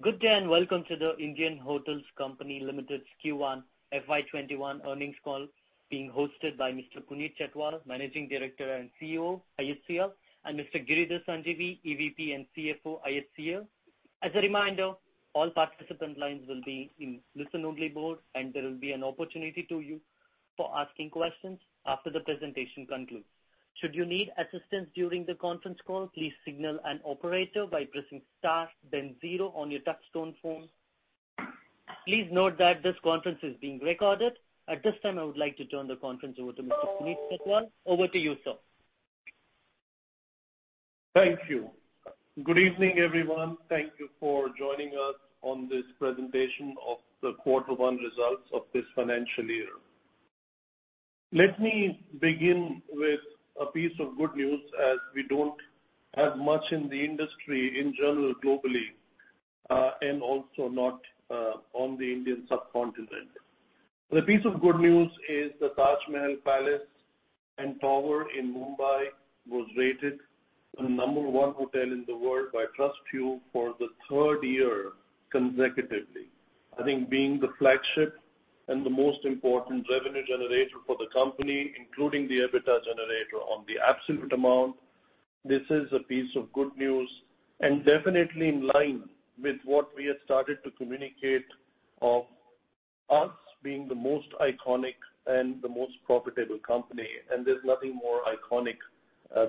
Good day, and welcome to The Indian Hotels Company Limited's Q1 FY 2021 earnings call, being hosted by Mr. Puneet Chhatwal, Managing Director and CEO, IHCL, and Mr. Giridhar Sanjeevi, EVP and CFO, IHCL. As a reminder, all participants line will be in listen-only mode and there will be an opportunity to you for asking questions after the presentation concludes. Should you need assistance during the conference call, please signal an operator by pressing star then zero on your touch tone phone. Please note that this conference is being recorded. At this time, I would like to turn the conference over to Mr. Puneet Chhatwal. Over to you, sir. Thank you. Good evening, everyone. Thank you for joining us on this presentation of the quarter one results of this financial year. Let me begin with a piece of good news, as we don't have much in the industry in general globally, and also not on the Indian subcontinent. The piece of good news is The Taj Mahal Palace, Mumbai was rated the number 1 hotel in the world by TrustYou for the third year consecutively. I think being the flagship and the most important revenue generator for the company, including the EBITDA generator on the absolute amount, this is a piece of good news. Definitely in line with what we had started to communicate of us being the most iconic and the most profitable company. There's nothing more iconic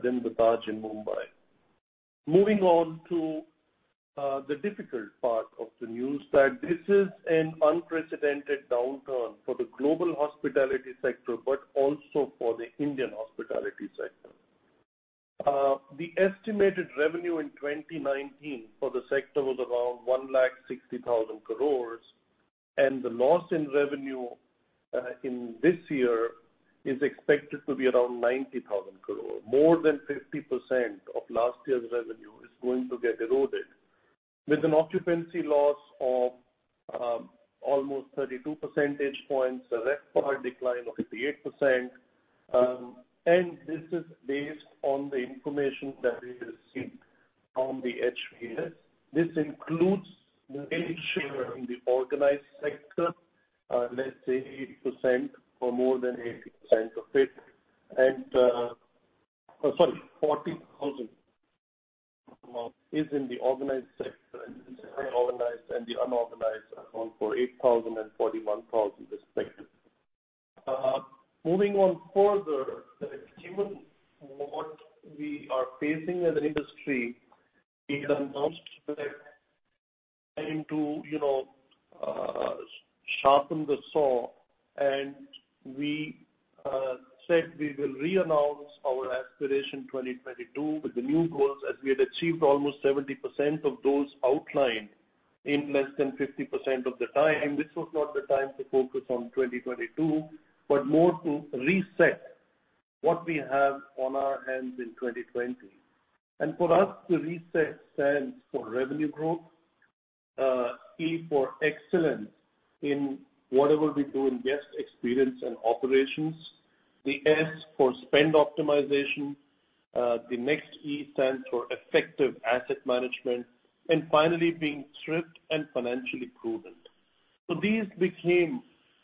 than the Taj in Mumbai. Moving on to the difficult part of the news, that this is an unprecedented downturn for the global hospitality sector, but also for the Indian hospitality sector. The estimated revenue in 2019 for the sector was around 160,000 crore, and the loss in revenue in this year is expected to be around 90,000 crore. More than 50% of last year's revenue is going to get eroded. With an occupancy loss of almost 32 percentage points, a RevPAR decline of 88%, and this is based on the information that we received from STR. This includes the main share in the organized sector, let's say 80% or more than 80% of it. Sorry, 40,000 is in the organized sector, and the unorganized account for 8,000 and 41,000 respectively. Moving on further, given what we are facing as an industry we announced that time to sharpen the saw, and we said we will re-announce our Aspiration 2022 with the new goals as we had achieved almost 70% of those outlined in less than 50% of the time. This was not the time to focus on 2022, but more to RESET what we have on our hands in 2020. For us, the RESET stands for revenue growth, E for excellence in whatever we do in guest experience and operations. The S for spend optimization, the next E stands for effective asset management, and finally being thrift and financially prudent. These became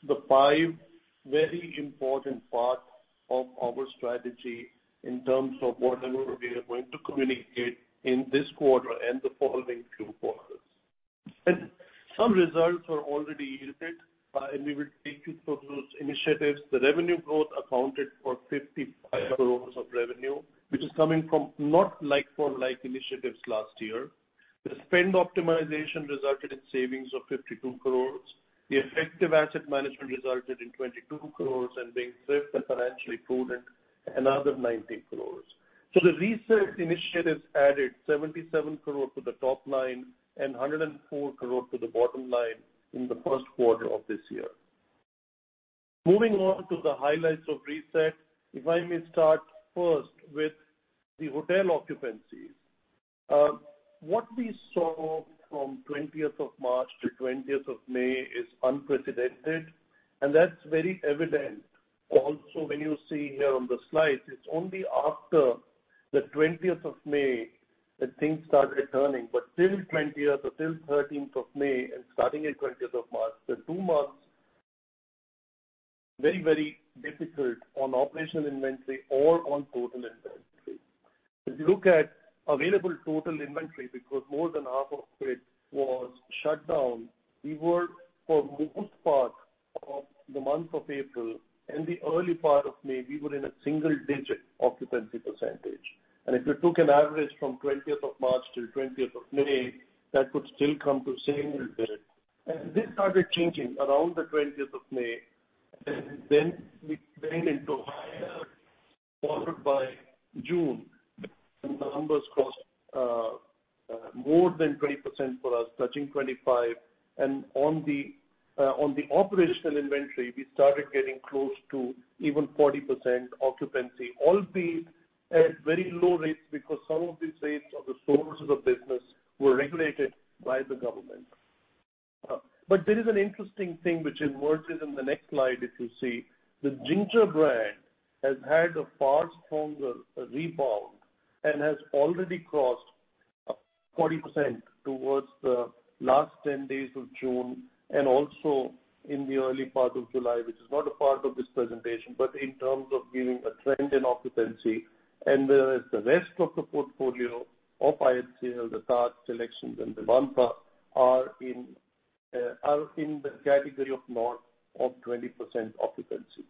the five very important parts of our strategy in terms of whatever we are going to communicate in this quarter and the following two quarters. Some results were already reaped, and we will take you through those initiatives. The revenue growth accounted for 55 crore of revenue, which is coming from not like for like initiatives last year. The spend optimization resulted in savings of 52 crore. The effective asset management resulted in 22 crore, and being thrift and financially prudent, another 19 crore. The RESET initiatives added 77 crore to the top line and 104 crore to the bottom line in the first quarter of this year. Moving on to the highlights of RESET. If I may start first with the hotel occupancies. What we saw from 20th of March to 20th of May is unprecedented, and that's very evident also when you see here on the slide. It's only after the 20th of May that things started turning. Till 20th or till 13th of May and starting at 20th of March, the two months very difficult on operational inventory or on total inventory. If you look at available total inventory, because more than half of it was shut down, we were for most part of the month of April and the early part of May, we were in a single digit occupancy percentage. If you took an average from 20th of March till 20th of May, that would still come to single digit. This started changing around the 20th of May. Then we went into higher followed by June, and the numbers crossed more than 20% for us, touching 25%. On the operational inventory, we started getting close to even 40% occupancy, all these at very low rates because some of these rates are the sources of business were regulated by the government. There is an interesting thing which emerges in the next slide, if you see. The Ginger brand has had a far stronger rebound and has already crossed 40% towards the last 10-days of June, and also in the early part of July, which is not a part of this presentation, but in terms of giving a trend in occupancy. The rest of the portfolio of IHCL, the Taj, SeleQtions and the Vivanta are in the category of north of 20% occupancy.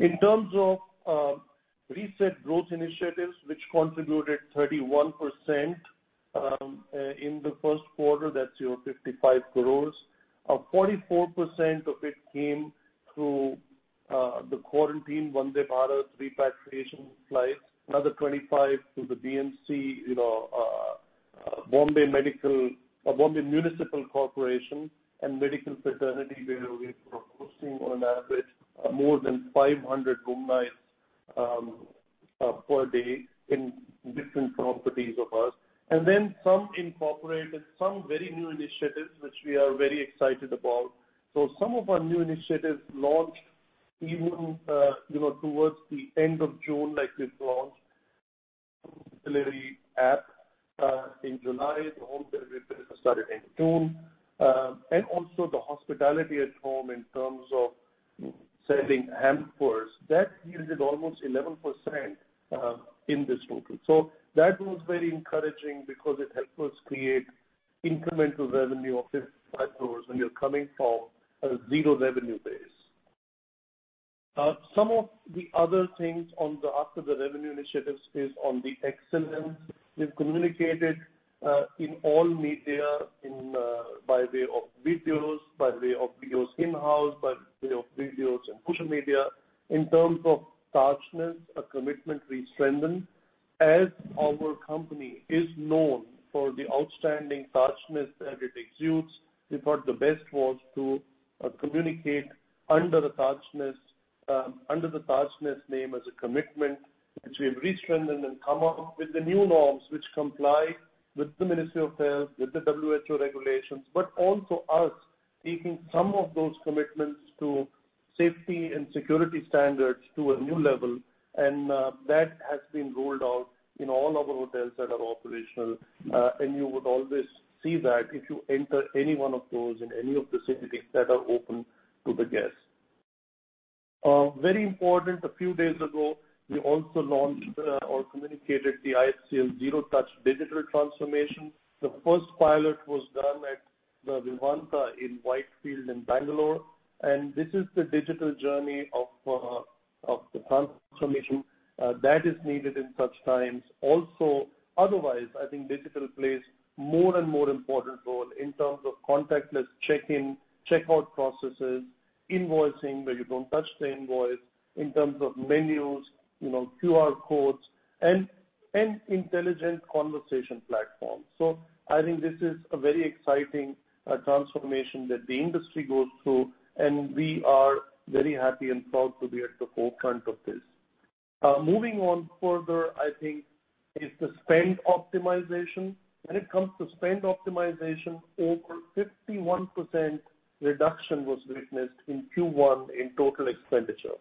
In terms of RESET growth initiatives, which contributed 31% in the first quarter, that's your 55 crores. 44% of it came through the quarantine Vande Bharat repatriation flights, another 25 to the BMC, Bombay Municipal Corporation, and medical fraternity, where we were hosting on average more than 500 room nights per day in different properties of ours. Some incorporated some very new initiatives, which we are very excited about. Some of our new initiatives launched even towards the end of June, like we've launched app in July. The home delivery business started in June. Also the Hospitality@Home in terms of selling hampers. That yielded almost 11% in this total. That was very encouraging because it helped us create incremental revenue of ₹55 crores when you're coming from a zero revenue base. Some of the other things after the revenue initiatives is on the excellence. We've communicated in all media by way of videos in-house, by way of videos in social media. In terms of Tajness, a commitment restrengthened. As our company is known for the outstanding Tajness that it exudes, we thought the best was to communicate under the Tajness name as a commitment which we have restrengthened and come up with the new norms which comply with the Ministry of Health, with the WHO regulations. Also us taking some of those commitments to safety and security standards to a new level. That has been rolled out in all our hotels that are operational. You would always see that if you enter any one of those in any of the cities that are open to the guests. Very important, a few days ago, we also launched or communicated the IHCL zero touch digital transformation. The first pilot was done at the Vivanta in Whitefield in Bangalore. This is the digital journey of the transformation that is needed in such times. Otherwise, I think digital plays more and more important role in terms of contactless check-in, check-out processes, invoicing, where you don't touch the invoice, in terms of menus, QR codes, and intelligent conversation platforms. I think this is a very exciting transformation that the industry goes through. We are very happy and proud to be at the forefront of this. Moving on further, I think is the spend optimization. When it comes to spend optimization, over 51% reduction was witnessed in Q1 in total expenditure.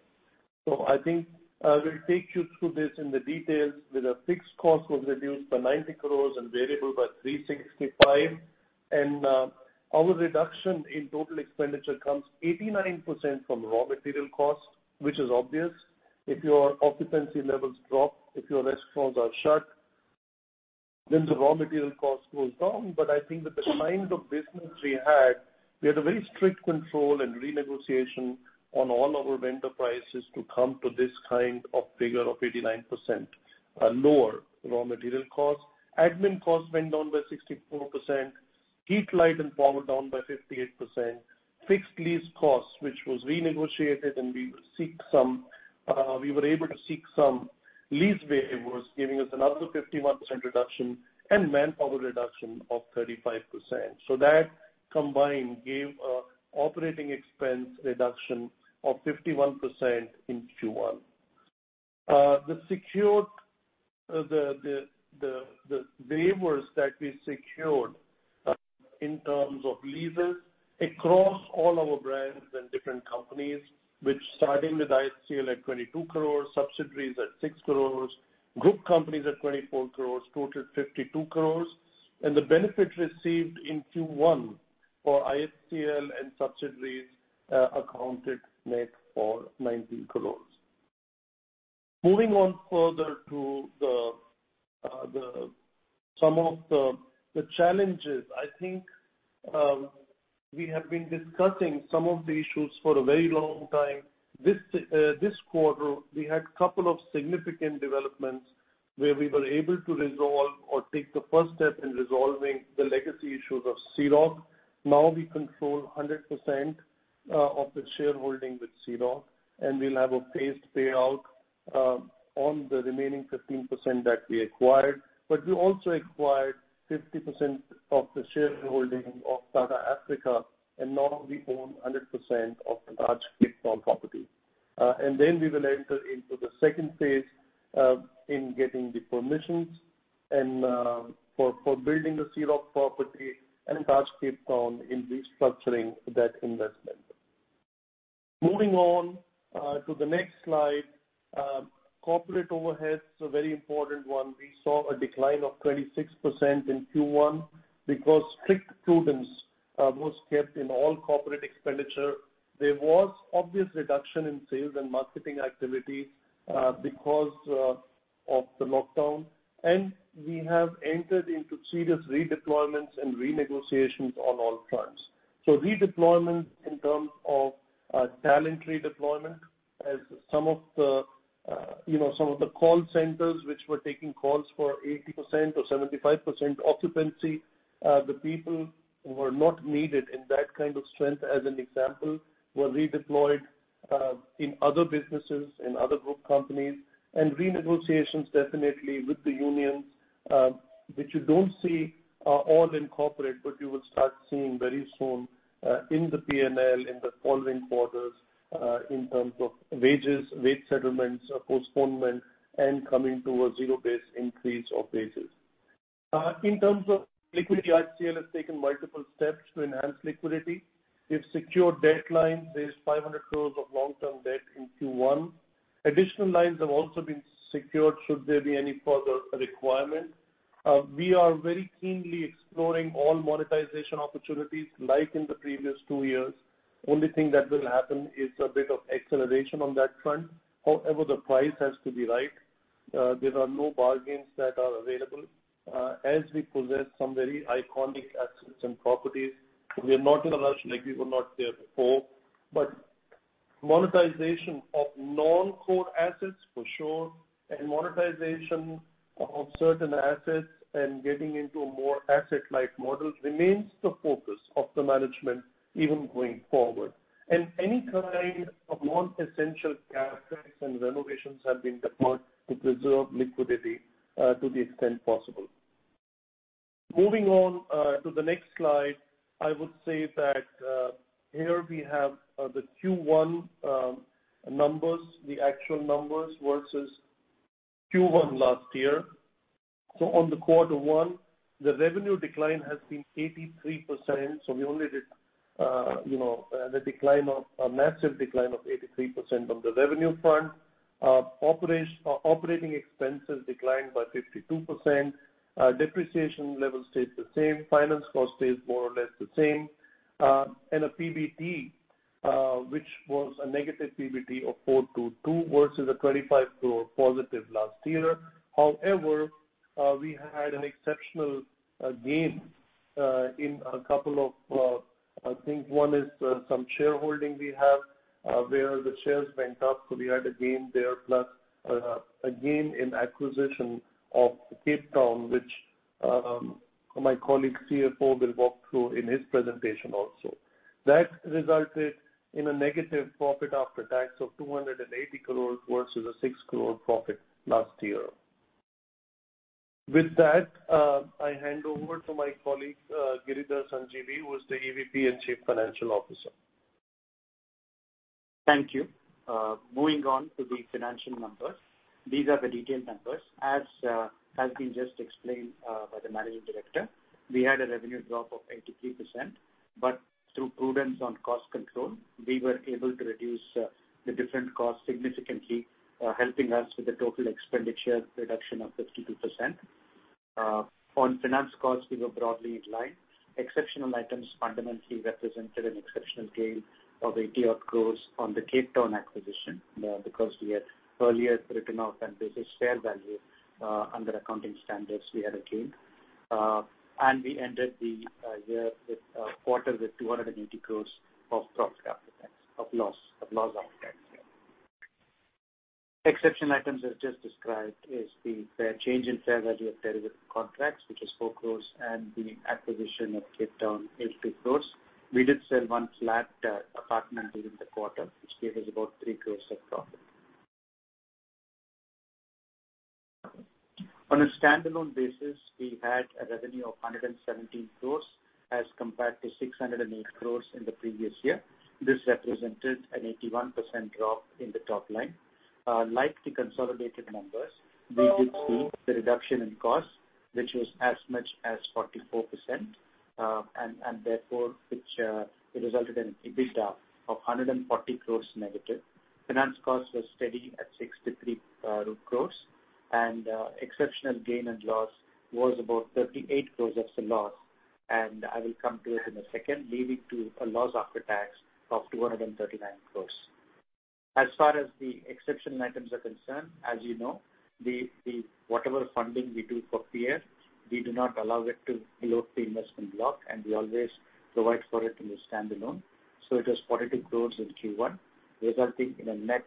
I think I will take you through this in the details, where our fixed cost was reduced by 90 crore and variable by 365 crore. Our reduction in total expenditure comes 89% from raw material cost, which is obvious. If your occupancy levels drop, if your restaurants are shut, the raw material cost goes down. I think with the kind of business we had, we had a very strict control and renegotiation on all our vendor prices to come to this kind of figure of 89% lower raw material cost. Admin cost went down by 64%. Heat, light and power down by 58%. Fixed lease cost, which was renegotiated, and we were able to seek some lease waivers, giving us another 51% reduction, and manpower reduction of 35%. That combined gave operating expense reduction of 51% in Q1. The waivers that we secured in terms of leases across all our brands and different companies, which starting with IHCL at 22 crores, subsidiaries at 6 crores, group companies at 24 crores, total 52 crores. The benefit received in Q1 for IHCL and subsidiaries accounted net for 19 crores. Moving on further to some of the challenges. I think we have been discussing some of the issues for a very long time. This quarter, we had couple of significant developments where we were able to resolve or take the first step in resolving the legacy issues of Sea Rock. Now we control 100% of the shareholding with Sea Rock, and we'll have a phased payout on the remaining 15% that we acquired. We also acquired 50% of the shareholding of Tata Africa, and now we own 100% of the Taj Cape Town property. We will enter into the second phase in getting the permissions and for building the Sea Rock property and start Cape Town in restructuring that investment. Moving on to the next slide. Corporate overhead is a very important one. We saw a decline of 36% in Q1 because strict prudence was kept in all corporate expenditure. There was obvious reduction in sales and marketing activity because of the lockdown, and we have entered into serious redeployments and renegotiations on all fronts. Redeployment in terms of talent redeployment as some of the call centers which were taking calls for 80% or 75% occupancy, the people who were not needed in that kind of strength, as an example, were redeployed in other businesses, in other group companies. Renegotiations definitely with the unions, which you don't see all in corporate, but you will start seeing very soon in the P&L in the following quarters, in terms of wages, wage settlements, postponement, and coming to a zero base increase of wages. In terms of liquidity, IHCL has taken multiple steps to enhance liquidity. We've secured debt lines, raised 500 crores of long-term debt in Q1. Additional lines have also been secured should there be any further requirement. We are very keenly exploring all monetization opportunities like in the previous two years. Only thing that will happen is a bit of acceleration on that front. However, the price has to be right. There are no bargains that are available. As we possess some very iconic assets and properties, we are not in a rush like we were not there before, but monetization of non-core assets for sure, and monetization of certain assets and getting into a more asset-like model remains the focus of the management even going forward. Any kind of non-essential CapEx and renovations have been deferred to preserve liquidity to the extent possible. Moving on to the next slide. I would say that here we have the Q1 numbers, the actual numbers versus Q1 last year. On the Q1, the revenue decline has been 83%. We only did a massive decline of 83% on the revenue front. Operating expenses declined by 52%. Depreciation level stayed the same. Finance cost stayed more or less the same. A PBT which was a negative PBT of INR 422 crore versus a INR 25 crore positive last year. However, I think one is some shareholding we have where the shares went up, so we had a gain there, plus a gain in acquisition of Taj Cape Town, which my colleague CFO will walk through in his presentation also. That resulted in a negative profit after tax of 280 crore versus an 6 crore profit last year. With that, I hand over to my colleague, Giridhar Sanjeevi, who is the EVP and Chief Financial Officer. Thank you. Moving on to the financial numbers. These are the detailed numbers. As has been just explained by the managing director, we had a revenue drop of 83%, but through prudence on cost control, we were able to reduce the different costs significantly, helping us with the total expenditure reduction of 52%. On finance costs, we were broadly in line. Exceptional items fundamentally represented an exceptional gain of 80 odd crores on the Cape Town acquisition because we had earlier written off and this is fair value under accounting standards we had a gain. We ended the quarter with 280 crores of profit after tax of loss after tax. Exceptional items as just described is the change in fair value of derivative contracts, which is 4 crores, and the acquisition of Cape Town, 82 crores. We did sell one flat apartment during the quarter, which gave us about 3 crores of profit. On a standalone basis, we had a revenue of 117 crores as compared to 608 crores in the previous year. This represented an 81% drop in the top line. Like the consolidated numbers, we did see the reduction in cost, which was as much as 44%, and therefore, which resulted in EBITDA of 140 crores negative. Finance cost was steady at 63 crores. Exceptional gain and loss was about 38 crores as a loss. I will come to it in a second, leading to a loss after tax of 239 crores. As far as the exceptional items are concerned, as you know, whatever funding we do for PIF, we do not allow it to below the investment block, and we always provide for it in the standalone. It was INR 42 crores in Q1, resulting in a net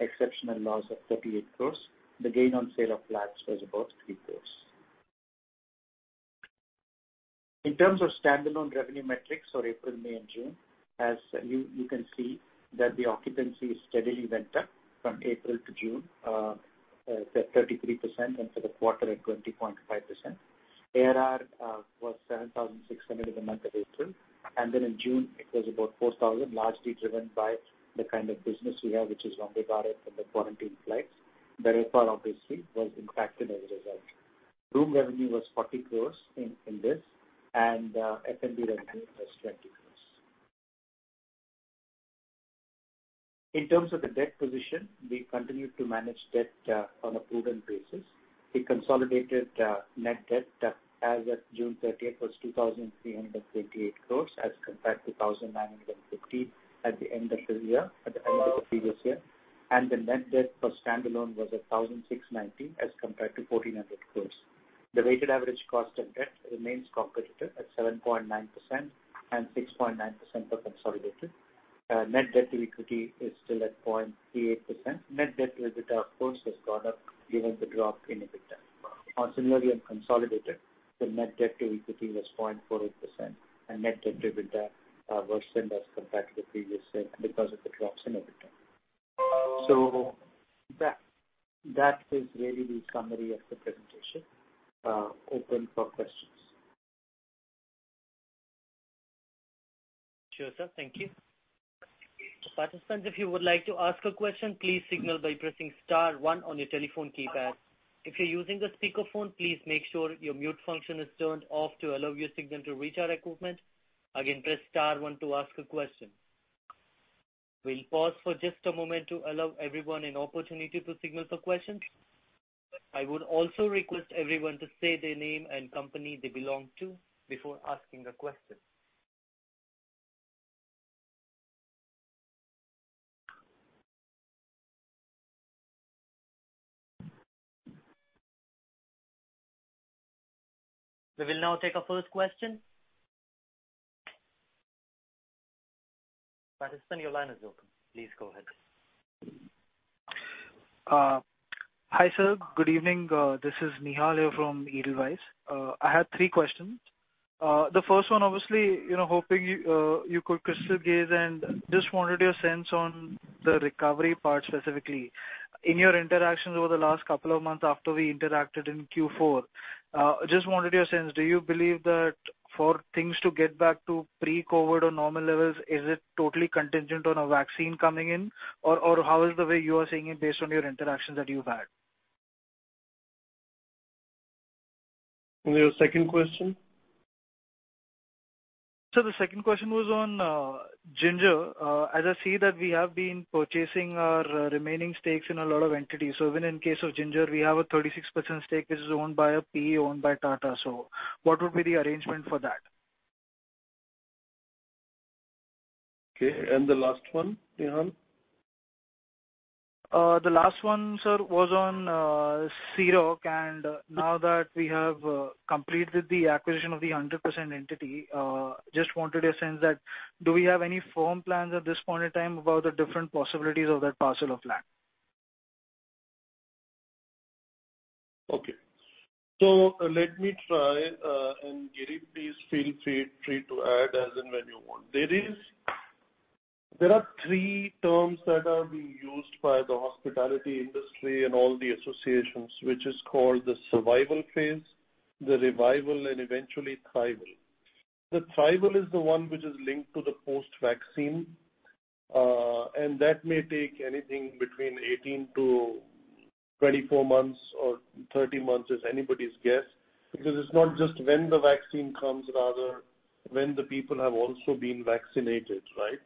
exceptional loss of 38 crores. The gain on sale of flats was about 3 crores. In terms of standalone revenue metrics for April, May and June, as you can see that the occupancy steadily went up from April to June, at 33% and for the quarter at 20.5%. ARR was 7,600 in the month of April, and then in June it was about 4,000, largely driven by the kind of business we have, which is Vande Bharat and the quarantine flights. The RevPAR, obviously, was impacted as a result. Room revenue was 40 crores in this, and F&B revenue was 20 crores. In terms of the debt position, we continue to manage debt on a prudent basis. The consolidated net debt as of June 30th was 2,328 crores as compared to 1,950 at the end of the previous year, and the net debt for standalone was 1,690 as compared to 1,400 crores. The weighted average cost of debt remains competitive at 7.9% and 6.9% for consolidated. Net debt to equity is still at 0.38%. Net debt to EBITDA, of course, has gone up given the drop in EBITDA. On similarly consolidated, the net debt to equity was 0.48%. Net debt to EBITDA worsened as compared to the previous year because of the drops in EBITDA. That is really the summary of the presentation. Open for questions. Sure, sir. Thank you. Participants, if you would like to ask a question, please signal by pressing star one on your telephone keypad. If you're using a speakerphone, please make sure your mute function is turned off to allow your signal to reach our equipment. Again, press star one to ask a question. We'll pause for just a moment to allow everyone an opportunity to signal for questions. I would also request everyone to state their name and company they belong to before asking a question. We will now take our first question. Participant, your line is open. Please go ahead. Hi, sir. Good evening. This is Nihal here from Edelweiss. I had three questions. The first one obviously, hoping you could crystal gaze and just wanted your sense on the recovery part specifically. In your interactions over the last couple of months after we interacted in Q4, just wanted your sense, do you believe that for things to get back to pre-COVID or normal levels, is it totally contingent on a vaccine coming in, or how is the way you are seeing it based on your interactions that you've had? Your second question. Sir, the second question was on Ginger. As I see that we have been purchasing our remaining stakes in a lot of entities. Even in case of Ginger, we have a 36% stake which is owned by a PE owned by Tata. What would be the arrangement for that? Okay, the last one, Nihal. The last one, sir, was on Sea Rock, and now that we have completed the acquisition of the 100% entity, just wanted a sense that do we have any firm plans at this point in time about the different possibilities of that parcel of land? Okay. Let me try, and Giri, please feel free to add as and when you want. There are three terms that are being used by the hospitality industry and all the associations, which is called the survival phase, the revival, and eventually thrival. The thrival is the one which is linked to the post-vaccine. That may take anything between 18-24 months or 30 months is anybody's guess, because it's not just when the vaccine comes, rather when the people have also been vaccinated, right?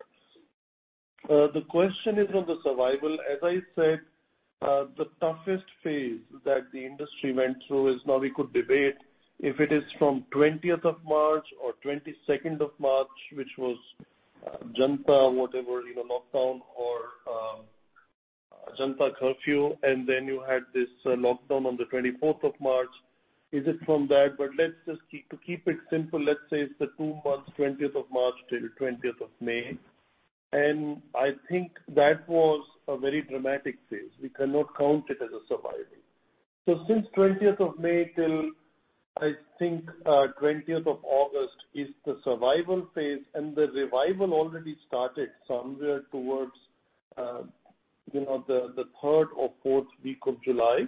The question is on the survival. As I said, the toughest phase that the industry went through is now we could debate if it is from 20th of March or 22nd of March, which was Janata Curfew, and then you had this lockdown on the 24th of March. Is it from that? To keep it simple, let's say it's the two months, 20th of March till 20th of May, and I think that was a very dramatic phase. We cannot count it as a survival. Since 20th of May till, I think, 20th of August is the survival phase, and the revival already started somewhere towards the third or fourth week of July.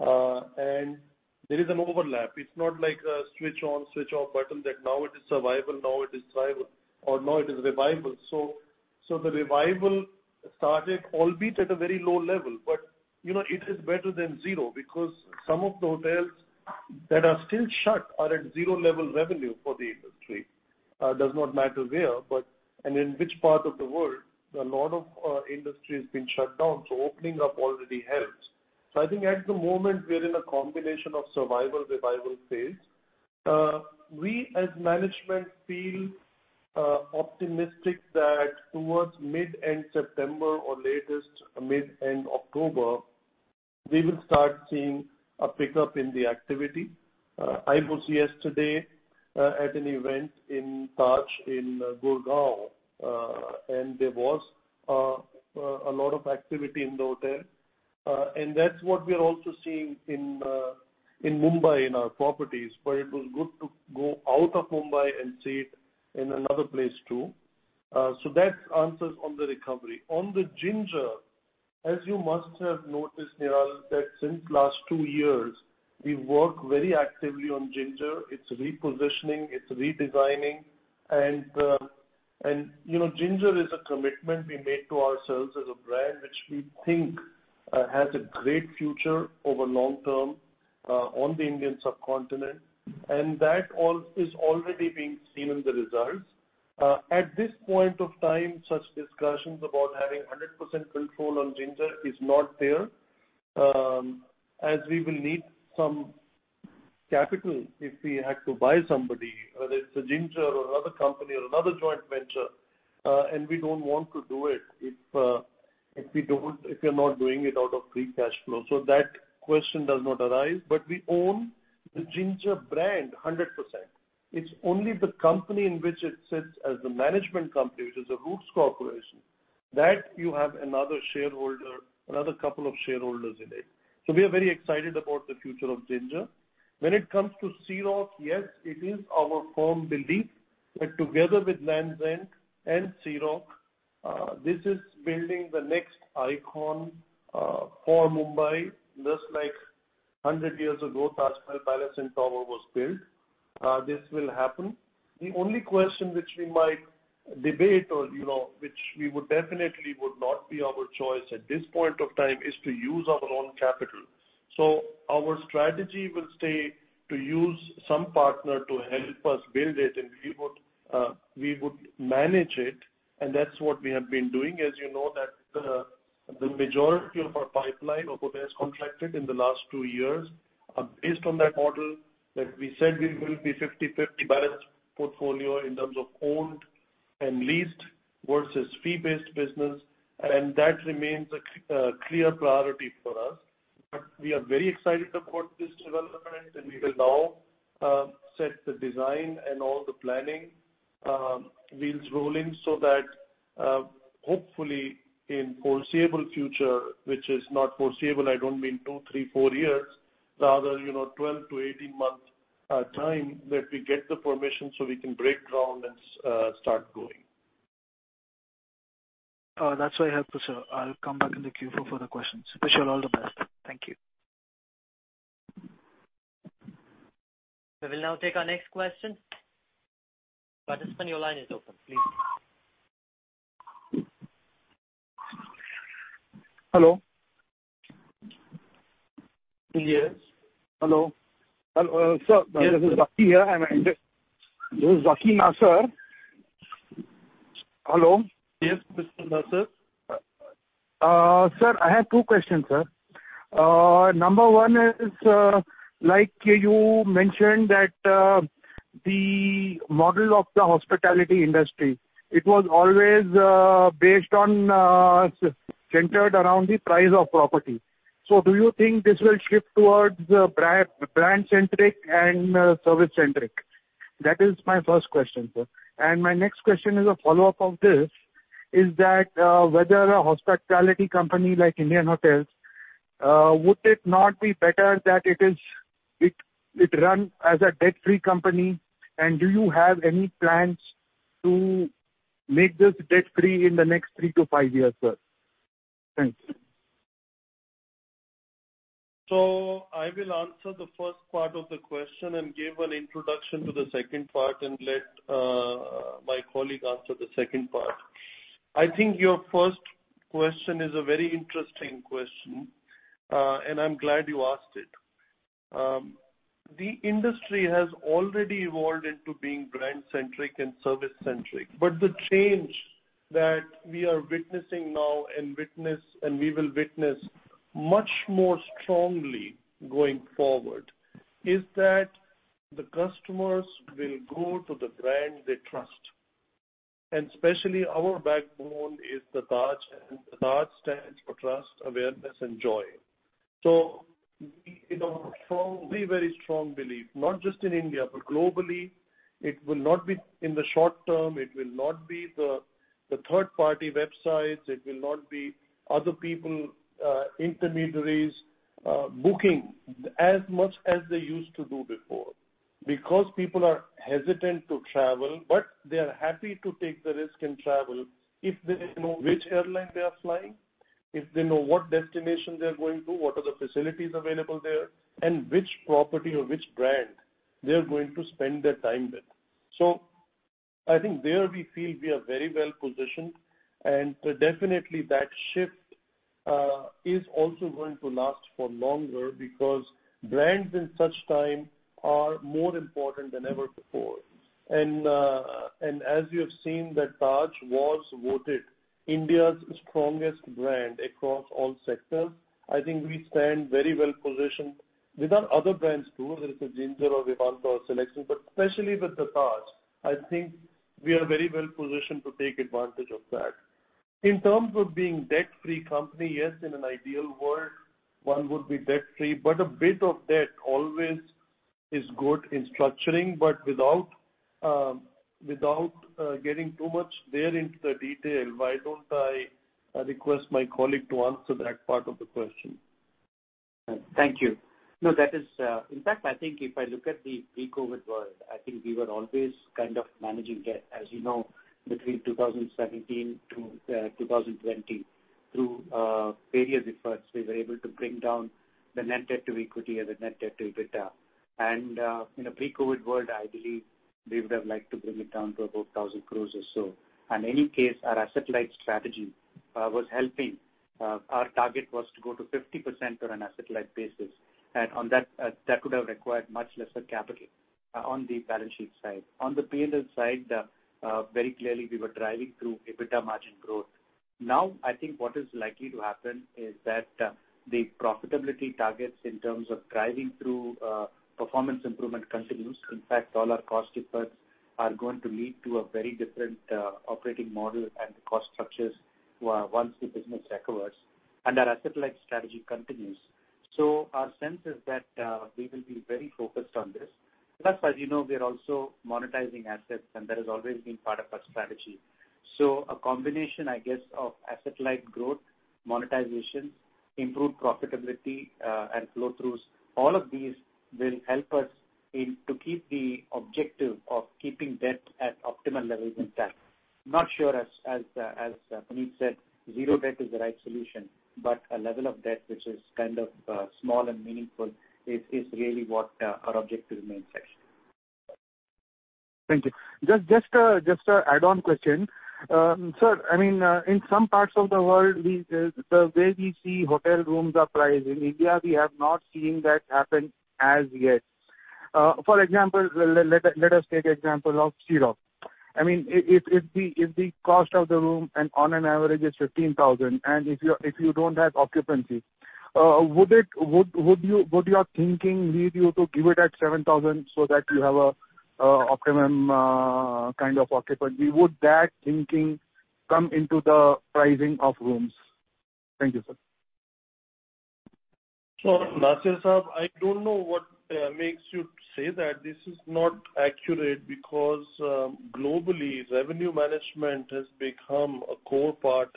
There is an overlap. It's not like a switch on, switch off button that now it is survival, now it is thrival, or now it is revival. The revival started, albeit at a very low level. It is better than 0 because some of the hotels that are still shut are at 0 level revenue for the industry. Does not matter where and in which part of the world, a lot of industry has been shut down, so opening up already helps. I think at the moment, we are in a combination of survival, revival phase. We as management feel optimistic that towards mid-September or latest mid-October, we will start seeing a pickup in the activity. I was yesterday at an event in Taj, in Gurgaon, and there was a lot of activity in the hotel. That's what we are also seeing in Mumbai in our properties. It was good to go out of Mumbai and see it in another place too. That answers on the recovery. On the Ginger. As you must have noticed, Nihal, that since last two years, we work very actively on Ginger. It's repositioning, it's redesigning. Ginger is a commitment we made to ourselves as a brand, which we think has a great future over long term on the Indian subcontinent. That all is already being seen in the results. At this point of time, such discussions about having 100% control on Ginger is not there, as we will need some capital if we had to buy somebody, whether it's Ginger or another company or another joint venture. We don't want to do it if we are not doing it out of free cash flow. That question does not arise. We own the Ginger brand 100%. It's only the company in which it sits as the management company, which is a Roots Corporation, that you have another couple of shareholders in it. We are very excited about the future of Ginger. When it comes to Sea Rock, yes, it is our firm belief that together with Lands End and Sea Rock, this is building the next icon for Mumbai, just like 100-years ago, Taj Mahal Palace & Tower was built. This will happen. The only question which we might debate or which would definitely not be our choice at this point of time, is to use our own capital. Our strategy will stay to use some partner to help us build it, and we would manage it, and that's what we have been doing. As you know that the majority of our pipeline of what has contracted in the last two years are based on that model, that we said we will be 50/50 balanced portfolio in terms of owned and leased versus fee-based business, and that remains a clear priority for us. We are very excited about this development, and we will now set the design and all the planning wheels rolling so that hopefully in foreseeable future, which is not foreseeable, I don't mean two, three, four years. 12-18 months time that we get the permission so we can break ground and start going. That's very helpful, sir. I'll come back in the queue for further questions. Wish you all the best. Thank you. We will now take our next question. Participant, your line is open. Please Hello. Yes. Hello. Sir, this is Zakir here. This is Zakir Nasser. Hello. Yes, Mr. Nasser. Sir, I have two questions, sir. Number one is, like you mentioned that the model of the hospitality industry, it was always based on, centered around the price of property. Do you think this will shift towards brand-centric and service-centric? That is my first question, sir. My next question is a follow-up of this, is that whether a hospitality company like Indian Hotels, would it not be better that it run as a debt-free company? Do you have any plans to make this debt-free in the next three to five years, sir? Thanks. I will answer the first part of the question and give an introduction to the second part and let my colleague answer the second part. I think your first question is a very interesting question, and I am glad you asked it. The industry has already evolved into being brand centric and service centric, but the change that we are witnessing now and we will witness much more strongly going forward is that the customers will go to the brand they trust. Especially our backbone is the Taj, and the Taj stands for trust, awareness, and joy. In our very strong belief, not just in India, but globally, it will not be in the short term, it will not be the third-party websites, it will not be other people, intermediaries, booking as much as they used to do before. People are hesitant to travel, but they are happy to take the risk and travel if they know which airline they are flying, if they know what destination they are going to, what are the facilities available there, and which property or which brand they are going to spend their time with. I think there we feel we are very well-positioned, and definitely that shift is also going to last for longer because brands in such time are more important than ever before. As you have seen that Taj was voted India's Strongest Brand across all sectors. I think we stand very well-positioned. With our other brands too, whether it's Ginger or Vivanta or SeleQtions, but especially with the Taj, I think we are very well-positioned to take advantage of that. In terms of being debt-free company, yes, in an ideal world, one would be debt-free, but a bit of debt always is good in structuring. Without getting too much there into the detail, why don't I request my colleague to answer that part of the question? Thank you. In fact, I think if I look at the pre-COVID world, I think we were always kind of managing debt. As you know, between 2017-2020, through various efforts, we were able to bring down the net debt to equity and the net debt to EBITDA. In a pre-COVID world, I believe we would have liked to bring it down to about 1,000 crores or so. On any case, our asset-light strategy was helping. Our target was to go to 50% on an asset-light basis, and that could have required much lesser capital on the balance sheet side. On the P&L side, very clearly, we were driving through EBITDA margin growth. Now, I think what is likely to happen is that the profitability targets in terms of driving through performance improvement continues. All our cost efforts are going to lead to a very different operating model and cost structures once the business recovers, and our asset-light strategy continues. Our sense is that we will be very focused on this. As you know, we are also monetizing assets, and that has always been part of our strategy. A combination, I guess, of asset-light growth, monetization, improved profitability, and flow-throughs, all of these will help us to keep the objective of keeping debt at optimal levels intact. I'm not sure, as Puneet said, zero debt is the right solution, but a level of debt which is kind of small and meaningful is really what our objective remains, Sanjeevi. Thank you. Just an add-on question. Sir, in some parts of the world, the way we see hotel rooms are priced, in India, we have not seen that happen as yet. For example, let us take example of Cherab. If the cost of the room on an average is 15,000, and if you don't have occupancy, would your thinking lead you to give it at 7,000 so that you have an optimum kind of occupancy? Would that thinking come into the pricing of rooms? Thank you, sir. Nasser, I don't know what makes you say that. This is not accurate because globally, revenue management has become a core part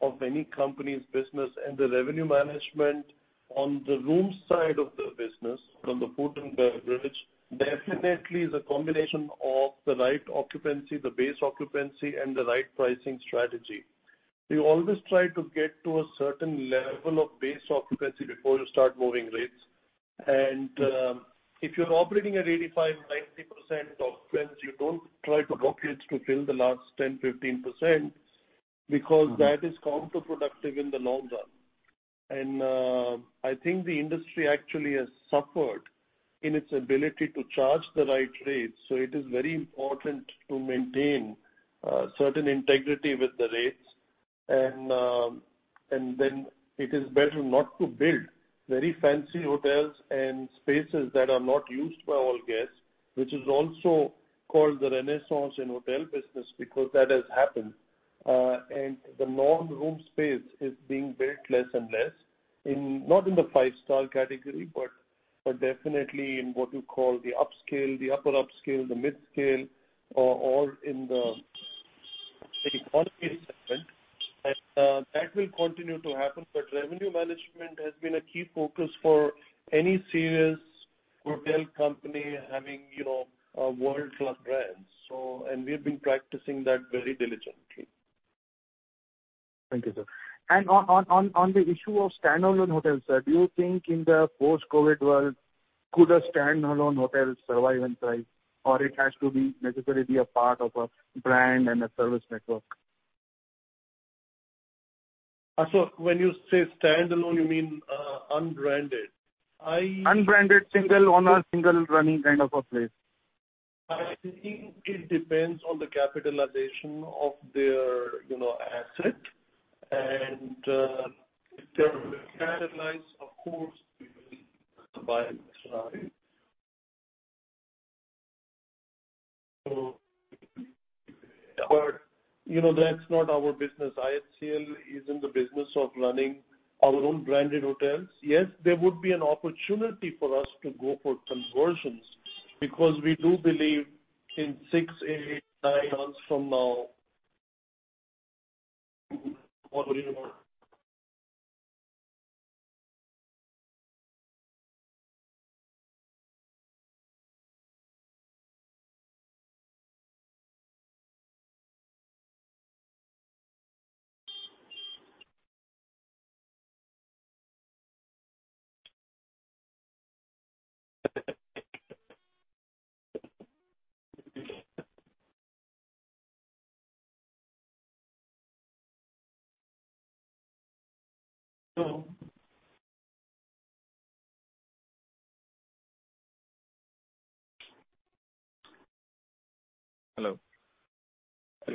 of any company's business. The revenue management on the room side of the business from the food and beverage definitely is a combination of the right occupancy, the base occupancy, and the right pricing strategy. We always try to get to a certain level of base occupancy before you start moving rates. If you're operating at 85%-90% occupancy, you don't try to book it to fill the last 10%-15%, because that is counterproductive in the long run. I think the industry actually has suffered in its ability to charge the right rates. It is very important to maintain certain integrity with the rates. It is better not to build very fancy hotels and spaces that are not used by all guests, which is also called the renaissance in hotel business, because that has happened. The non-room space is being built less and less, not in the five-star category, but definitely in what you call the upscale, the upper upscale, the mid-scale, or in the economy segment. That will continue to happen. Revenue management has been a key focus for any serious hotel company having world-class brands. We've been practicing that very diligently. Thank you, sir. On the issue of standalone hotels, sir, do you think in the post-COVID world, could a standalone hotel survive and thrive, or it has to be necessarily a part of a brand and a service network? When you say standalone, you mean unbranded? Unbranded, single owner, single running kind of a place. I think it depends on the capitalization of their asset. If they are capitalized, of course, we will survive and thrive. That's not our business. IHCL is in the business of running our own branded hotels. Yes, there would be an opportunity for us to go for conversions because we do believe in six, eight, 10 months from now. Hello? Hello? Hello? Puneet, I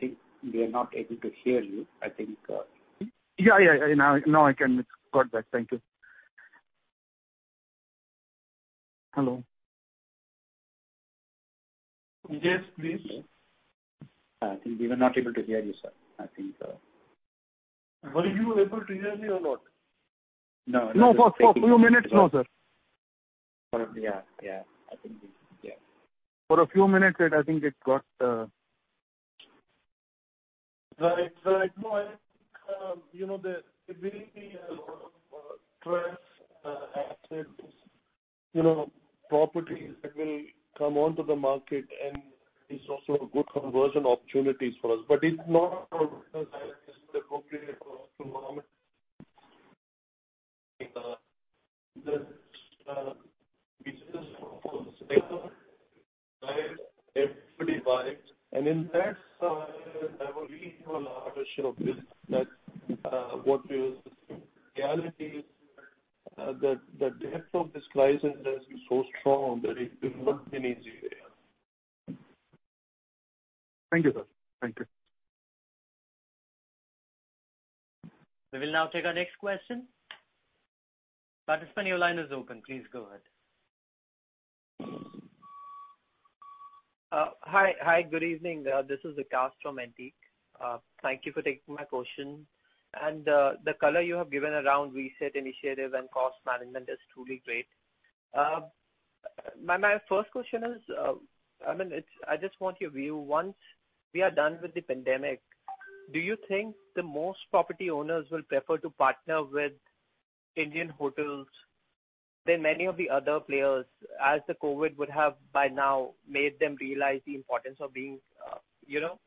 think they are not able to hear you. Yeah. Now I can. It's got back. Thank you. Hello. Yes, please. I think we were not able to hear you, sir. Were you able to hear me or not? No. No, for a few minutes, no, sir. Yeah. Yeah. For a few minutes, I think. Right. I think there will be a lot of stressed assets, properties that will come onto the market, and it's also a good conversion opportunity for us. It's not appropriate for us to comment. In that side, I would really do a larger share of this, that what we are seeing, the reality is that the depth of this crisis has been so strong that it will not be an easy way out. Thank you, sir. We will now take our next question. Participant, your line is open. Please go ahead. Hi, good evening. This is Vikas from Antique. Thank you for taking my question. The color you have given around RESET initiative and cost management is truly great. My first question is, I just want your view. Once we are done with the pandemic, do you think the most property owners will prefer to partner with Indian Hotels than many of the other players, as the COVID would have, by now, made them realize the importance of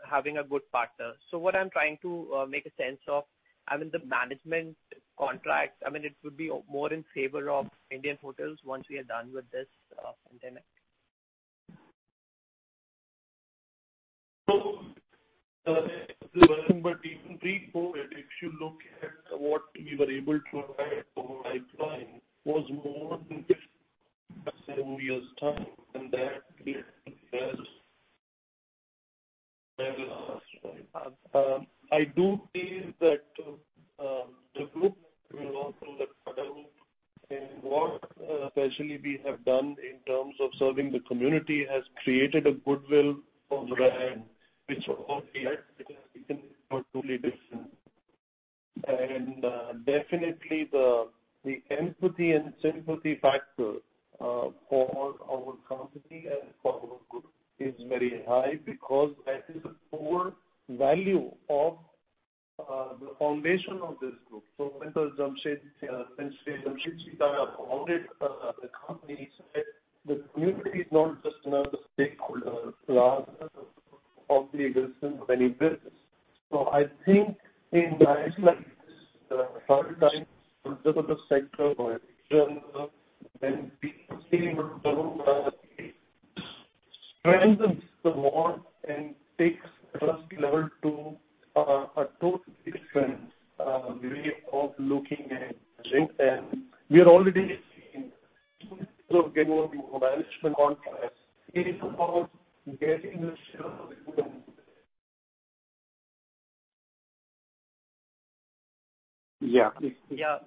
having a good partner? What I'm trying to make sense of, the management contracts, it would be more in favor of Indian Hotels once we are done with this pandemic. Even pre-COVID, if you look at what we were able to acquire for our pipeline was more than seven years' time, and that last. I do feel that the group will also look at how and what especially we have done in terms of serving the community has created a goodwill for the brand, which. Definitely the empathy and sympathy factor for our company and for our group is very high because that is a core value of the foundation of this group. When Sir Jamsetji Tata founded the company, he said the community is not just another stakeholder. I think in times like this, the hard times for the hotel sector or in general strengthens us more and takes trust level to a totally different way of looking at things. We are already seeing in terms of getting more management contracts. It is about getting a share of the pie. Yeah. Yeah.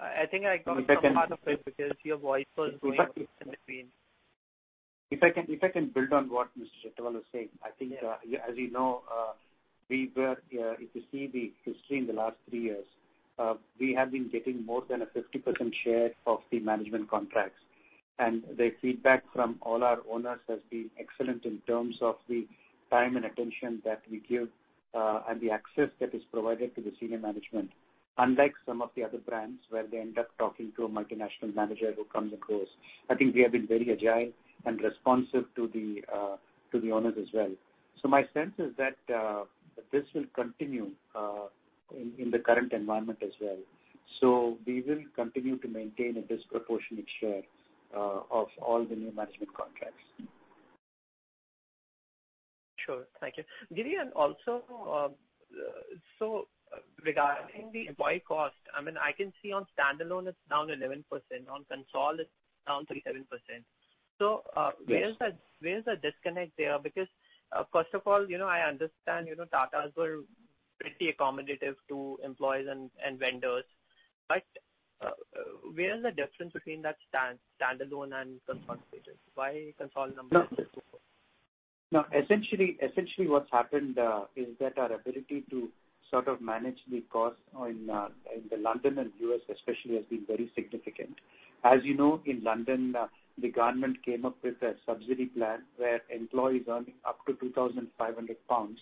I think I got some part of it because your voice was going in between. If I can build on what Mr. Chhatwal is saying, I think as you know if you see the history in the last three years, we have been getting more than a 50% share of the management contracts. The feedback from all our owners has been excellent in terms of the time and attention that we give and the access that is provided to the senior management. Unlike some of the other brands where they end up talking to a multinational manager who comes across. I think we have been very agile and responsive to the owners as well. My sense is that this will continue in the current environment as well. We will continue to maintain a disproportionate share of all the new management contracts. Sure. Thank you, Giridhar. Also regarding the employee cost, I can see on standalone it's down 11%, on consolidated it's down 37%. Where is the disconnect there? First of all, I understand Tatas were pretty accommodative to employees and vendors. Where is the difference between that standalone and consolidated? Why consolidated numbers No. Essentially, what's happened is that our ability to sort of manage the cost in London and the U.S. especially has been very significant. As you know, in London, the government came up with a subsidy plan where employees earning up to 2,500 pounds,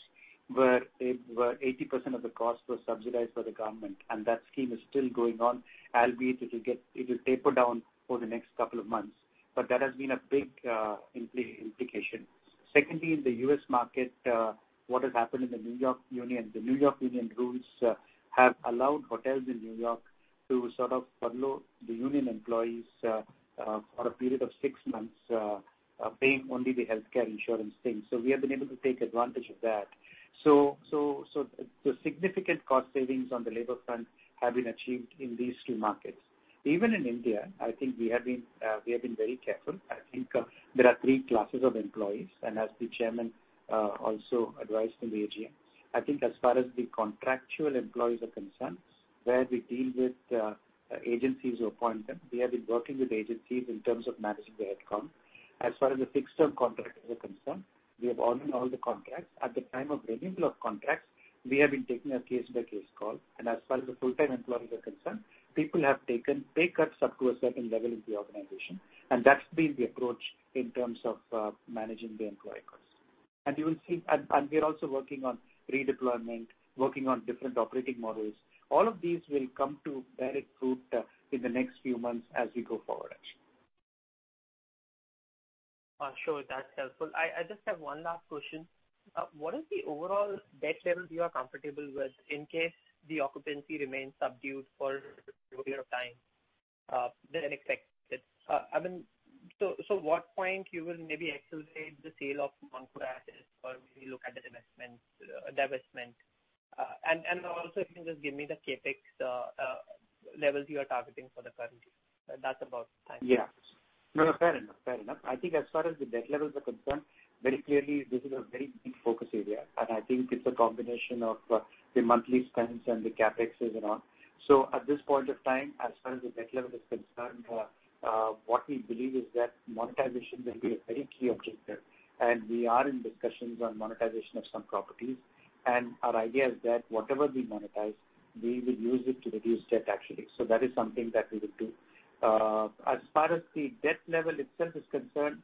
where 80% of the cost was subsidized by the government, that scheme is still going on. Albeit it will taper down over the next couple of months. But that has been a big implication. Secondly, in the U.S. market, what has happened in the New York Union, the New York Union rules have allowed hotels in New York to sort of furlough the union employees for a period of six months, paying only the healthcare insurance thing. We have been able to take advantage of that. Significant cost savings on the labor front have been achieved in these two markets. Even in India, I think we have been very careful. I think there are three classes of employees, and as the chairman also advised in the AGM, I think as far as the contractual employees are concerned, where we deal with agencies who appoint them, we have been working with agencies in terms of managing their headcount. As far as the fixed-term contracts are concerned, we have honored all the contracts. At the time of renewal of contracts, we have been taking a case-by-case call, and as far as the full-time employees are concerned, people have taken pay cuts up to a certain level in the organization. That's been the approach in terms of managing the employee costs. We are also working on redeployment, working on different operating models. All of these will come to bear fruit in the next few months as we go forward, actually. Sure. That's helpful. I just have one last question. What is the overall debt level you are comfortable with in case the occupancy remains subdued for a period of time than expected? What point you will maybe accelerate the sale of non-core assets or maybe look at the divestment? Also if you can just give me the CapEx levels you are targeting for the current year. That's about it. Thank you. Yeah. No, fair enough. I think as far as the debt levels are concerned, very clearly this is a very big focus area, and I think it's a combination of the monthly spends and the CapEx and all. At this point of time, as far as the debt level is concerned, what we believe is that monetization will be a very key objective. We are in discussions on monetization of some properties. Our idea is that whatever we monetize, we will use it to reduce debt, actually. That is something that we would do. As far as the debt level itself is concerned,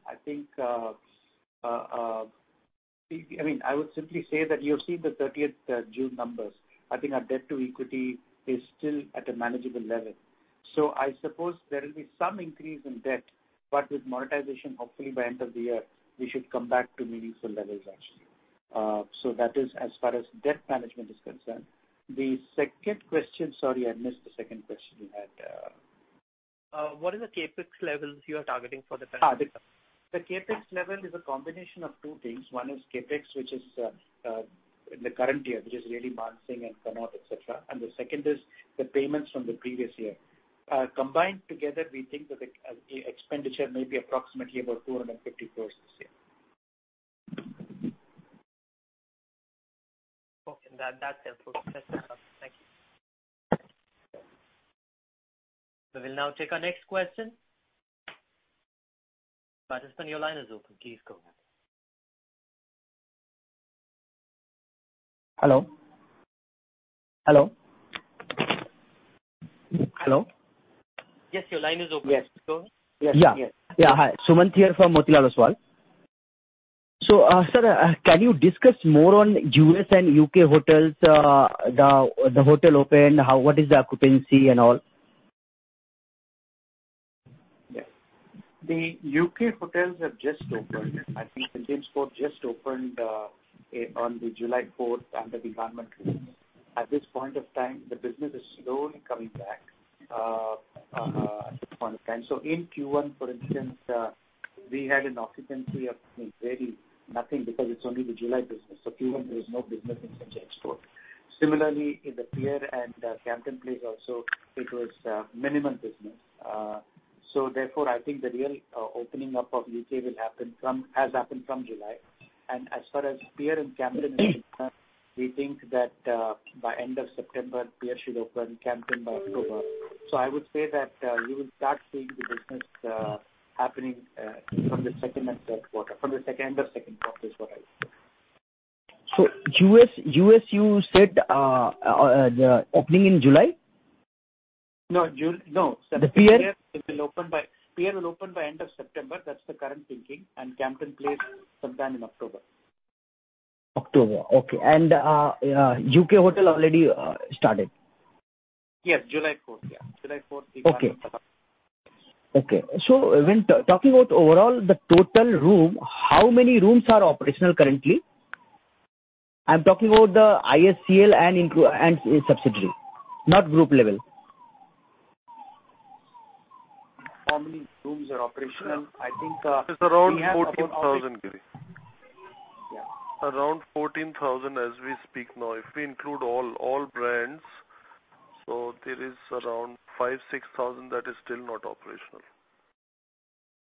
I would simply say that you have seen the 30th June numbers. I think our debt to equity is still at a manageable level. I suppose there will be some increase in debt. With monetization, hopefully by end of the year, we should come back to meaningful levels, actually. That is as far as debt management is concerned. The second question, sorry, I missed the second question you had. What is the CapEx levels you are targeting for the current year? The CapEx level is a combination of two things. One is CapEx, which is the current year, which is really Mansingh and Connaught, et cetera. The second is the payments from the previous year. Combined together, we think that the expenditure may be approximately about 250 crore this year. Okay. That's helpful. That's enough. Thank you. We will now take our next question. Participant, your line is open. Please go ahead. Hello? Hello? Hello? Yes, your line is open. Yes. Go ahead. Yeah. Hi. Sumant here from Motilal Oswal. sir, can you discuss more on U.S. and U.K. hotels, the hotel opened, what is the occupancy and all? The U.K. hotels have just opened. I think St. James' Court just opened on July 4th under the government rules. At this point of time, the business is slowly coming back at this point of time. In Q1, for instance, we had an occupancy of very nothing because it's only the July business, Q1 there was no business in St. James' Court. Similarly, in The Pierre and Campton Place also, it was minimum business. Therefore, I think the real opening up of U.K. has happened from July. As far as Pierre and Campton are concerned, we think that by end of September, Pierre should open, Campton by October. I would say that you will start seeing the business happening from the second and third quarter. From the end of second quarter is what I would say. U.S., you said opening in July? No. The Pierre? The Pierre will open by end of September. That's the current thinking. Taj Campton Place sometime in October. October. Okay. U.K. hotel already started. Yes, July 4th. Yeah. Okay. When talking about overall the total room, how many rooms are operational currently? I am talking about the IHCL and subsidiary, not group level. How many rooms are operational? It's around 14,000. Yeah. Around 14,000 as we speak now. If we include all brands. There is around 5,000-6,000 that is still not operational.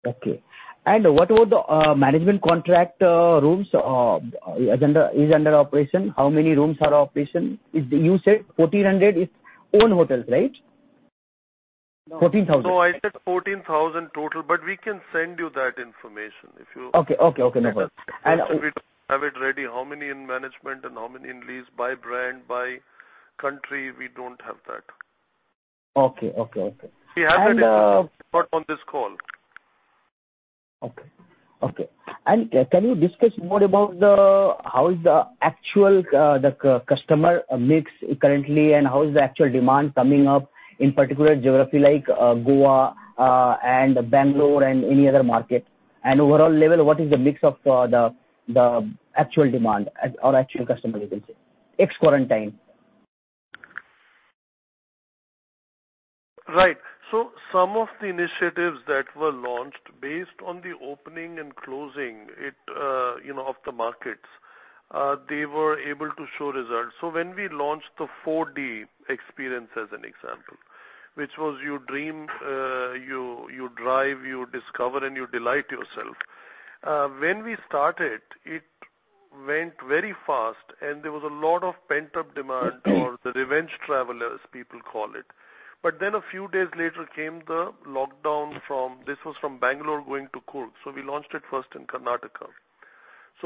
Okay. What about the management contract rooms is under operation? How many rooms are operational? You said 1,400 is own hotels, right? 14,000. No, I said 14,000 total, but we can send you that information if you-. Okay. No worries we don't have it ready, how many in management and how many in lease by brand, by country, we don't have that. Okay. We have that information, but not on this call. Okay. Can you discuss more about how is the actual customer mix currently and how is the actual demand coming up in particular geography like Goa and Bangalore and any other market? Overall level, what is the mix of the actual demand or actual customer, you can say, ex-quarantine? Right. Some of the initiatives that were launched based on the opening and closing of the markets, they were able to show results. When we launched the 4D experience as an example, which was you dream, you drive, you discover, and you delight yourself. When we started it went very fast, and there was a lot of pent-up demand or the revenge travelers, people call it. A few days later came the lockdown. This was from Bangalore going to Coorg. We launched it first in Karnataka.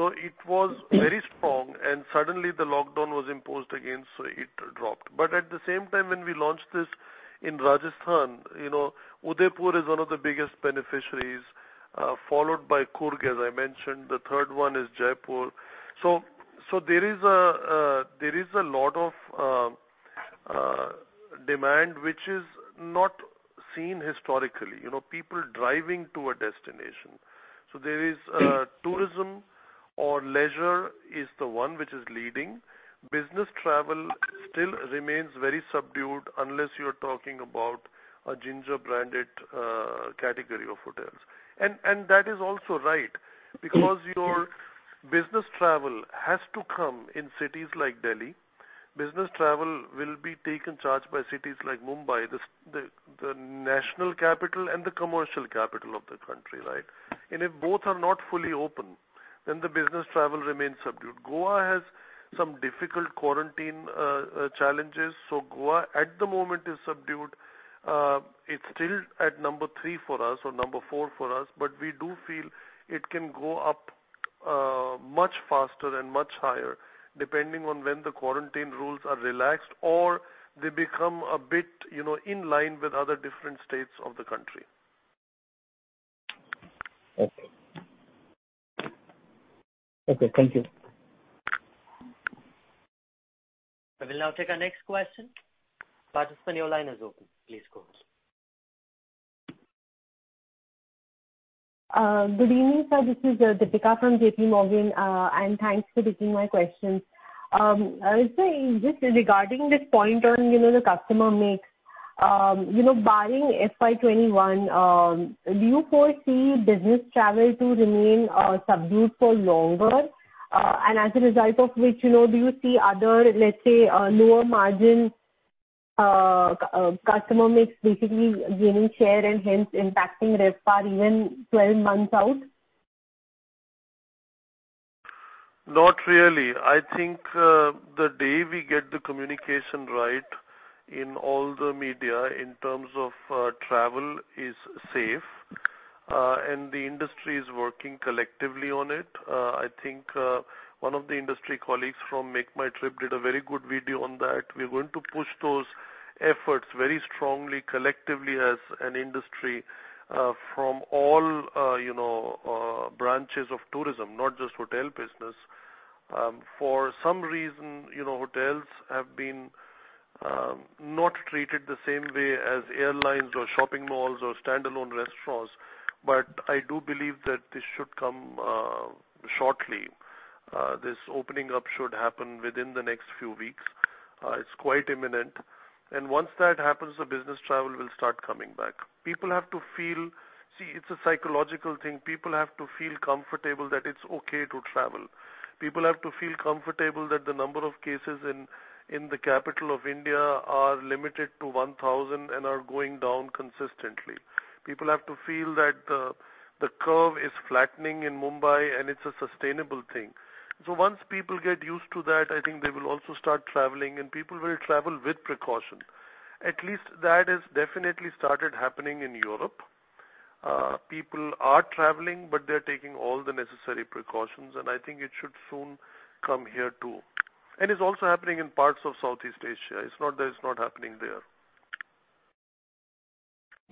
It was very strong, and suddenly the lockdown was imposed again, so it dropped. At the same time, when we launched this in Rajasthan, Udaipur is one of the biggest beneficiaries, followed by Coorg as I mentioned. The third one is Jaipur. There is a lot of demand which is not seen historically. People driving to a destination. There is tourism or leisure is the one which is leading. Business travel still remains very subdued unless you're talking about a Ginger-branded category of hotels. That is also right because your business travel has to come in cities like Delhi. Business travel will be taken charge by cities like Mumbai, the national capital and the commercial capital of the country, right? If both are not fully open, then the business travel remains subdued. Goa has some difficult quarantine challenges, so Goa at the moment is subdued. It's still at number three for us or number four for us, but we do feel it can go up much faster and much higher depending on when the quarantine rules are relaxed or they become a bit in line with other different states of the country. Okay. Okay, thank you. We will now take our next question. Participant, your line is open. Please go ahead. Good evening, sir. This is Deepika from JPMorgan, and thanks for taking my questions. Sir, just regarding this point on the customer mix, barring FY 2021, do you foresee business travel to remain subdued for longer? As a result of which, do you see other, let's say, lower margin customer mix basically gaining share and hence impacting RevPAR even 12-months out? Not really. I think the day we get the communication right in all the media in terms of travel is safe, and the industry is working collectively on it. I think one of the industry colleagues from MakeMyTrip did a very good video on that. We're going to push those efforts very strongly collectively as an industry from all branches of tourism, not just hotel business. For some reason, hotels have been not treated the same way as airlines or shopping malls or standalone restaurants. I do believe that this should come shortly. This opening up should happen within the next few weeks. It's quite imminent. Once that happens, the business travel will start coming back. See, it's a psychological thing. People have to feel comfortable that it's okay to travel. People have to feel comfortable that the number of cases in the capital of India are limited to 1,000 and are going down consistently. People have to feel that the curve is flattening in Mumbai and it's a sustainable thing. Once people get used to that, I think they will also start traveling, and people will travel with precaution. At least that has definitely started happening in Europe. People are traveling, but they're taking all the necessary precautions, and I think it should soon come here too. It's also happening in parts of Southeast Asia. It's not that it's not happening there.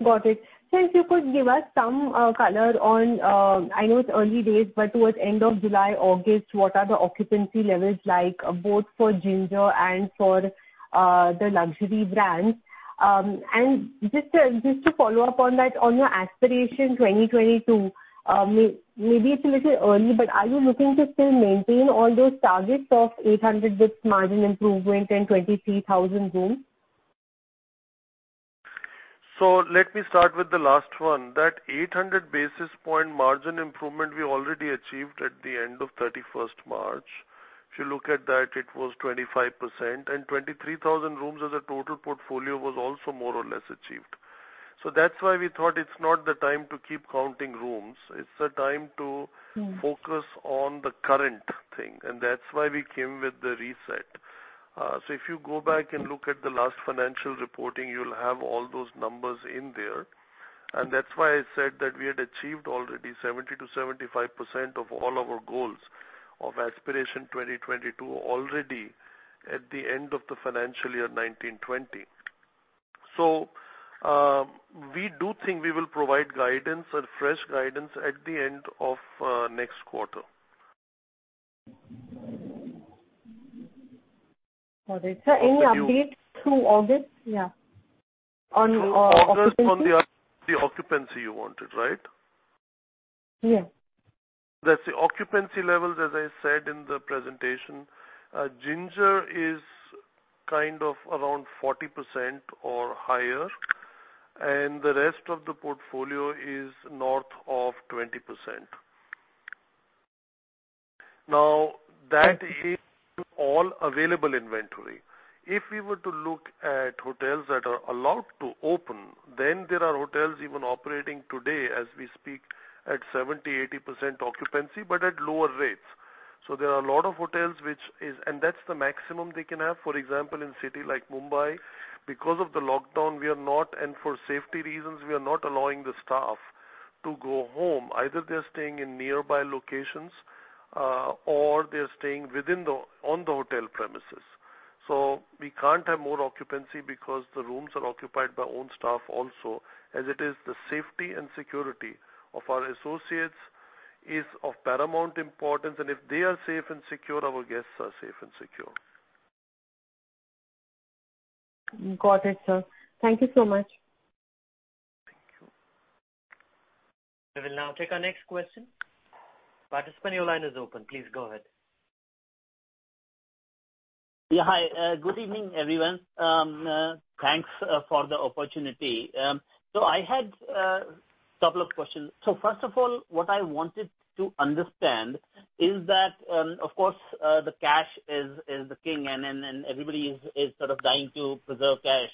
Got it. Sir, if you could give us some color. I know it's early days, but towards end of July, August, what are the occupancy levels like, both for Ginger and for the luxury brands? Just to follow up on that, on your Aspiration 2022, maybe it's a little early, but are you looking to still maintain all those targets of 800 margin improvement and 23,000 rooms? Let me start with the last one. That 800 basis point margin improvement we already achieved at the end of 31st March. If you look at that, it was 25%, and 23,000 rooms as a total portfolio was also more or less achieved. That's why we thought it's not the time to keep counting rooms. It's the time to focus on the current thing, and that's why we came with the RESET. If you go back and look at the last financial reporting, you'll have all those numbers in there. That's why I said that we had achieved already 70%-75% of all our goals of Aspiration 2022 already at the end of the financial year 2019/2020. We do think we will provide guidance or fresh guidance at the end of next quarter. Got it. Sir, any updates through August? Yeah, on occupancy? Through August on the occupancy you wanted, right? Yes. Let's see. Occupancy levels, as I said in the presentation, Ginger is kind of around 40% or higher, and the rest of the portfolio is north of 20%. That is all available inventory. If we were to look at hotels that are allowed to open, then there are hotels even operating today as we speak at 70%, 80% occupancy, but at lower rates. There are a lot of hotels, and that's the maximum they can have. For example, in city like Mumbai, because of the lockdown, and for safety reasons, we are not allowing the staff to go home. Either they are staying in nearby locations, or they are staying on the hotel premises. We can't have more occupancy because the rooms are occupied by own staff also, as it is the safety and security of our associates is of paramount importance, and if they are safe and secure, our guests are safe and secure. Got it, sir. Thank you so much. Thank you. We will now take our next question. Participant, your line is open. Please go ahead. Yeah. Hi, good evening, everyone. Thanks for the opportunity. I had a couple of questions. First of all, what I wanted to understand is that, of course, the cash is the king and everybody is sort of dying to preserve cash.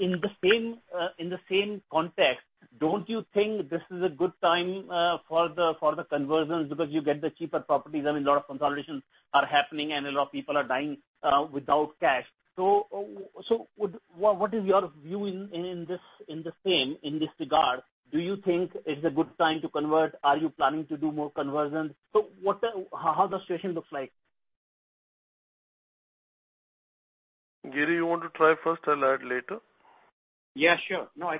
In the same context, don't you think this is a good time for the conversions because you get the cheaper properties? I mean, a lot of consolidations are happening and a lot of people are dying without cash. What is your view in this regard? Do you think it's a good time to convert? Are you planning to do more conversions? How does the situation look like? Giri, you want to try first, I'll add later? Yeah, sure. No, I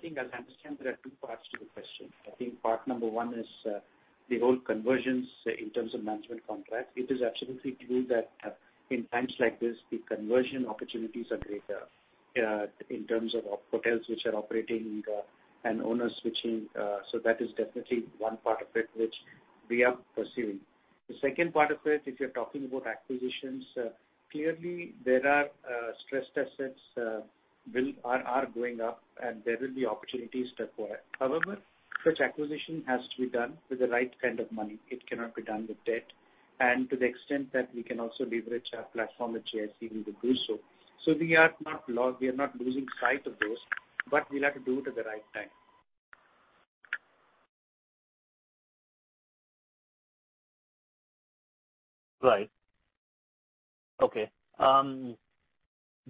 think as I understand there are two parts to the question. I think part number one is the whole conversions in terms of management contract. It is absolutely true that in times like this, the conversion opportunities are greater in terms of hotels which are operating and owners switching. That is definitely one part of it, which we are pursuing. The second part of it, if you're talking about acquisitions, clearly there are stress tests that are going up and there will be opportunities therefore. However, such acquisition has to be done with the right kind of money. It cannot be done with debt, and to the extent that we can also leverage our platform with GIC, we will do so. We are not lost. We are not losing sight of those, but we'll have to do it at the right time. Right. Okay.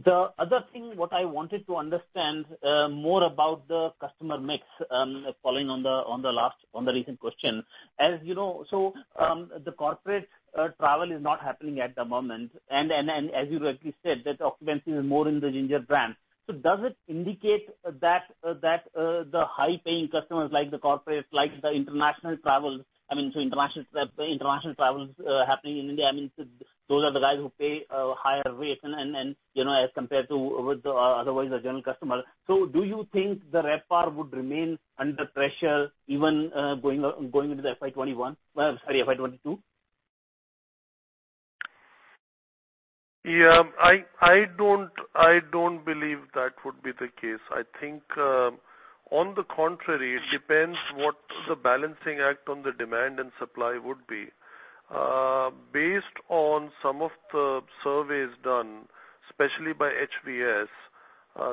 The other thing what I wanted to understand more about the customer mix, following on the recent question. The corporate travel is not happening at the moment, and as you rightly said, that occupancy is more in the Ginger brand. Does it indicate that the high-paying customers, like the corporates, like the international travels happening in India, I mean, those are the guys who pay higher rates as compared to with otherwise a general customer. Do you think the RevPAR would remain under pressure even going into the FY 2022? Yeah. I don't believe that would be the case. I think on the contrary, it depends what the balancing act on the demand and supply would be. Based on some of the surveys done, especially by HVS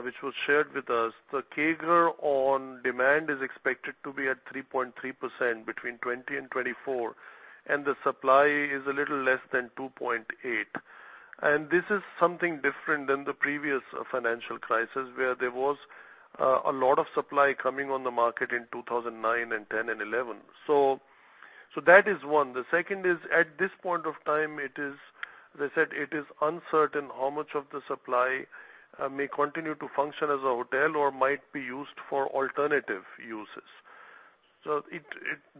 which was shared with us, the CAGR on demand is expected to be at 3.3% between 2020 and 2024, and the supply is a little less than 2.8%. This is something different than the previous financial crisis, where there was a lot of supply coming on the market in 2009 and 2010 and 2011. That is one. The second is, at this point of time, as I said, it is uncertain how much of the supply may continue to function as a hotel or might be used for alternative uses.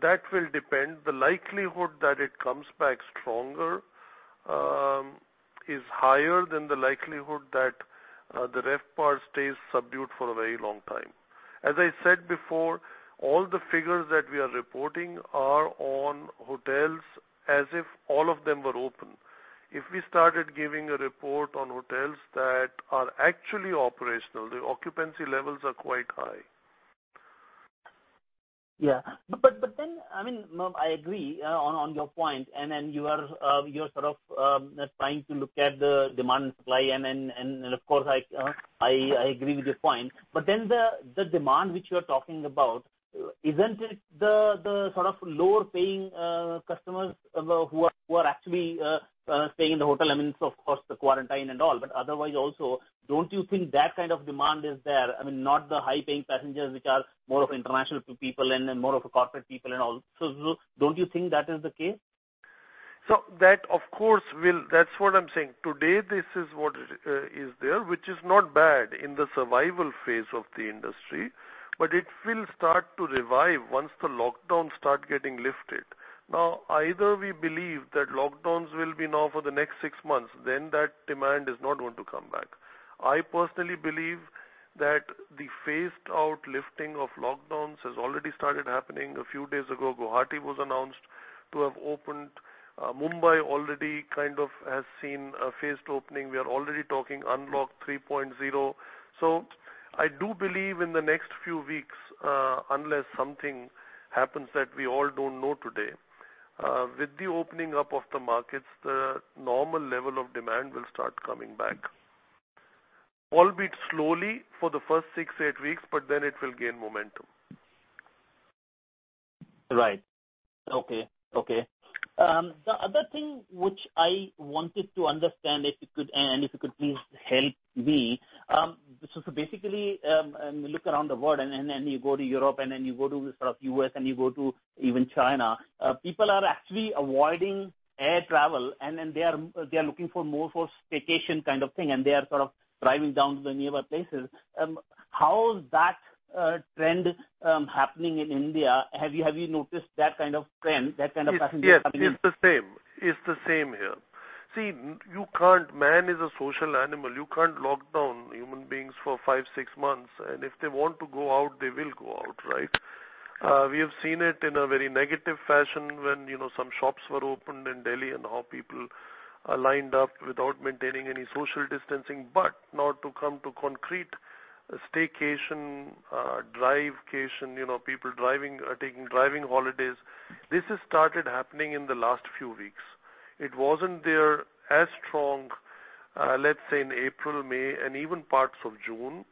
That will depend. The likelihood that it comes back stronger is higher than the likelihood that the RevPAR stays subdued for a very long time. As I said before, all the figures that we are reporting are on hotels as if all of them were open. If we started giving a report on hotels that are actually operational, the occupancy levels are quite high. Yeah. I agree on your point and you are sort of trying to look at the demand and supply and of course I agree with your point. The demand which you are talking about, isn't it the sort of lower paying customers who are actually staying in the hotel? I mean, so of course the quarantine and all, but otherwise also, don't you think that kind of demand is there? I mean, not the high-paying passengers, which are more of international people and then more of corporate people and all. Don't you think that is the case? That's what I'm saying. Today, this is what is there, which is not bad in the survival phase of the industry, but it will start to revive once the lockdowns start getting lifted. Either we believe that lockdowns will be now for the next six months, then that demand is not going to come back. I personally believe that the phased-out lifting of lockdowns has already started happening. A few days ago, Guwahati was announced to have opened. Mumbai already kind of has seen a phased opening. We are already talking Unlock 3.0. I do believe in the next few weeks, unless something happens that we all don't know today, with the opening up of the markets, the normal level of demand will start coming back. Albeit slowly for the first six, eight weeks, but then it will gain momentum. Right. Okay. The other thing which I wanted to understand and if you could please help me. Basically, look around the world and then you go to Europe, and then you go to the U.S., and you go to even China, people are actually avoiding air travel, and they are looking for more for staycation kind of thing, and they are sort of driving down to the nearby places. How is that trend happening in India? Have you noticed that kind of trend, that kind of passenger coming in? Yes, it's the same here. See, man is a social animal. You can't lock down human beings for five, six months. If they want to go out, they will go out, right? We have seen it in a very negative fashion when some shops were opened in Delhi and how people lined up without maintaining any social distancing. Now to come to concrete staycation, drive-cation, people taking driving holidays. This has started happening in the last few weeks. It wasn't there as strong, let's say in April, May, and even parts of June,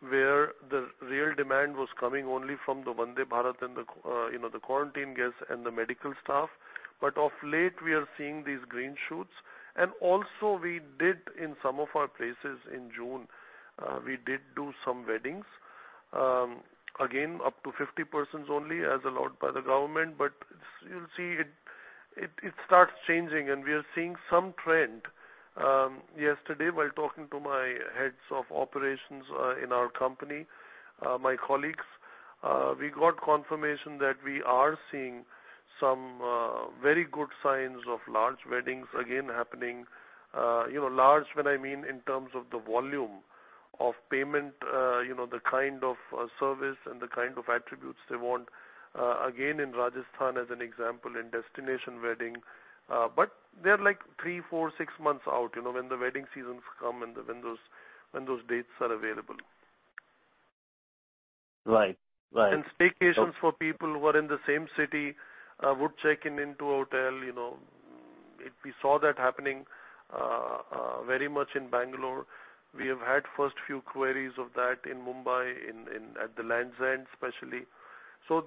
where the real demand was coming only from the Vande Bharat and the quarantine guests and the medical staff. Of late, we are seeing these green shoots. Also we did in some of our places in June we did do some weddings. Again, up to 50 persons only as allowed by the government. You'll see it starts changing, and we are seeing some trend. Yesterday while talking to my heads of operations in our company, my colleagues, we got confirmation that we are seeing some very good signs of large weddings again happening. Large when I mean in terms of the volume of payment the kind of service and the kind of attributes they want. Again, in Rajasthan as an example in destination wedding. They're like three, four, six months out, when the wedding seasons come and when those dates are available. Right. Staycations for people who are in the same city would check in into hotel. We saw that happening very much in Bangalore. We have had first few queries of that in Mumbai at the Lands End especially.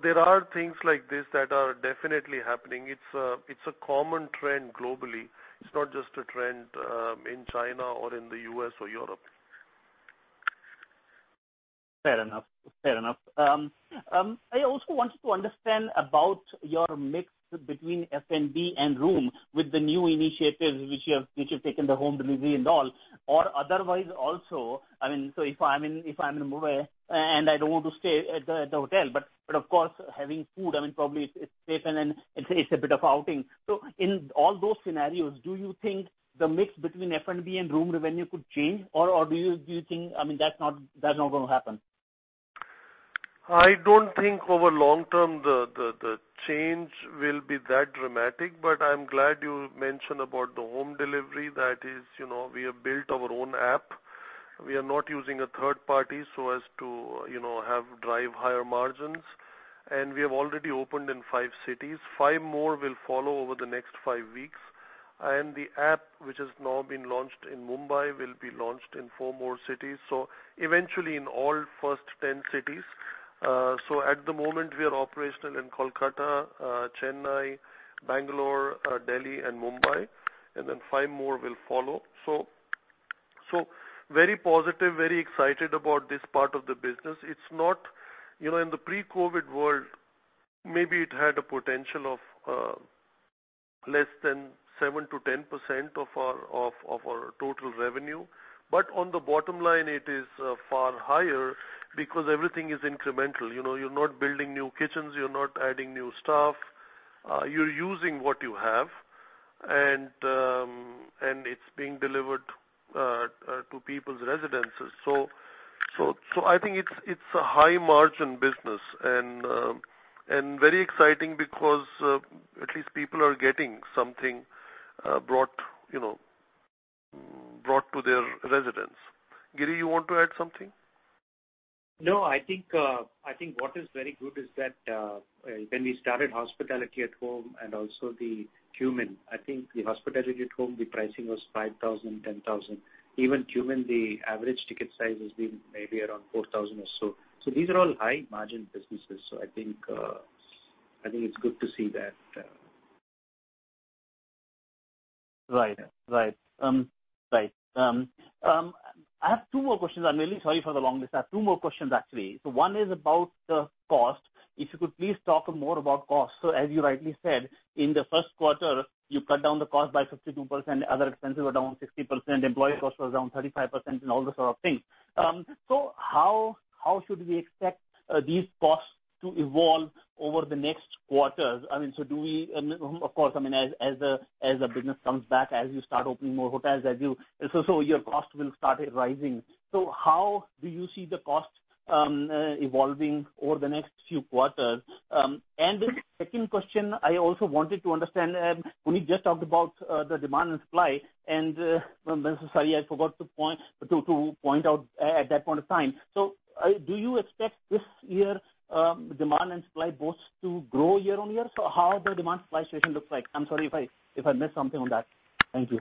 There are things like this that are definitely happening. It's a common trend globally. It's not just a trend in China or in the U.S. or Europe. Fair enough. I also wanted to understand about your mix between F&B and room with the new initiatives which you've taken the home delivery and all, or otherwise also, if I'm in Mumbai and I don't want to stay at the hotel, but of course, having food, probably it's safe and then it's a bit of outing. In all those scenarios, do you think the mix between F&B and room revenue could change? Or do you think that's not going to happen? I don't think over long term the change will be that dramatic, but I'm glad you mentioned about the home delivery. That is, we have built our own app. We are not using a third party so as to drive higher margins, and we have already opened in five cities. Five more will follow over the next five weeks. The app which has now been launched in Mumbai will be launched in four more cities. Eventually in all first 10 cities. At the moment we are operational in Kolkata, Chennai, Bangalore, Delhi, and Mumbai, and then five more will follow. Very positive, very excited about this part of the business. In the pre-COVID world, maybe it had a potential of less than 7%-10% of our total revenue. On the bottom line it is far higher because everything is incremental. You're not building new kitchens, you're not adding new staff. You're using what you have, and it's being delivered to people's residences. I think it's a high margin business and very exciting because at least people are getting something brought to their residence. Giri, you want to add something? No, I think what is very good is that when we started Hospitality@Home and also the Qmin, I think the Hospitality@Home the pricing was 5,000, 10,000. Even Qmin the average ticket size has been maybe around 4,000 or so. These are all high margin businesses. I think it's good to see that. Right. I have two more questions. I'm really sorry for the long list. I have two more questions actually. One is about the cost. If you could please talk more about cost. As you rightly said, in the first quarter you cut down the cost by 52%, other expenses were down 60%, employee cost was down 35% and all those sort of things. How should we expect these costs to evolve over the next quarters? Of course as the business comes back, as you start opening more hotels, your cost will start rising. How do you see the cost evolving over the next few quarters? The second question I also wanted to understand, Puneet just talked about the demand and supply and sorry I forgot to point out at that point of time. Do you expect this year demand and supply both to grow year-over-year? How the demand supply situation looks like? I'm sorry if I missed something on that. Thank you.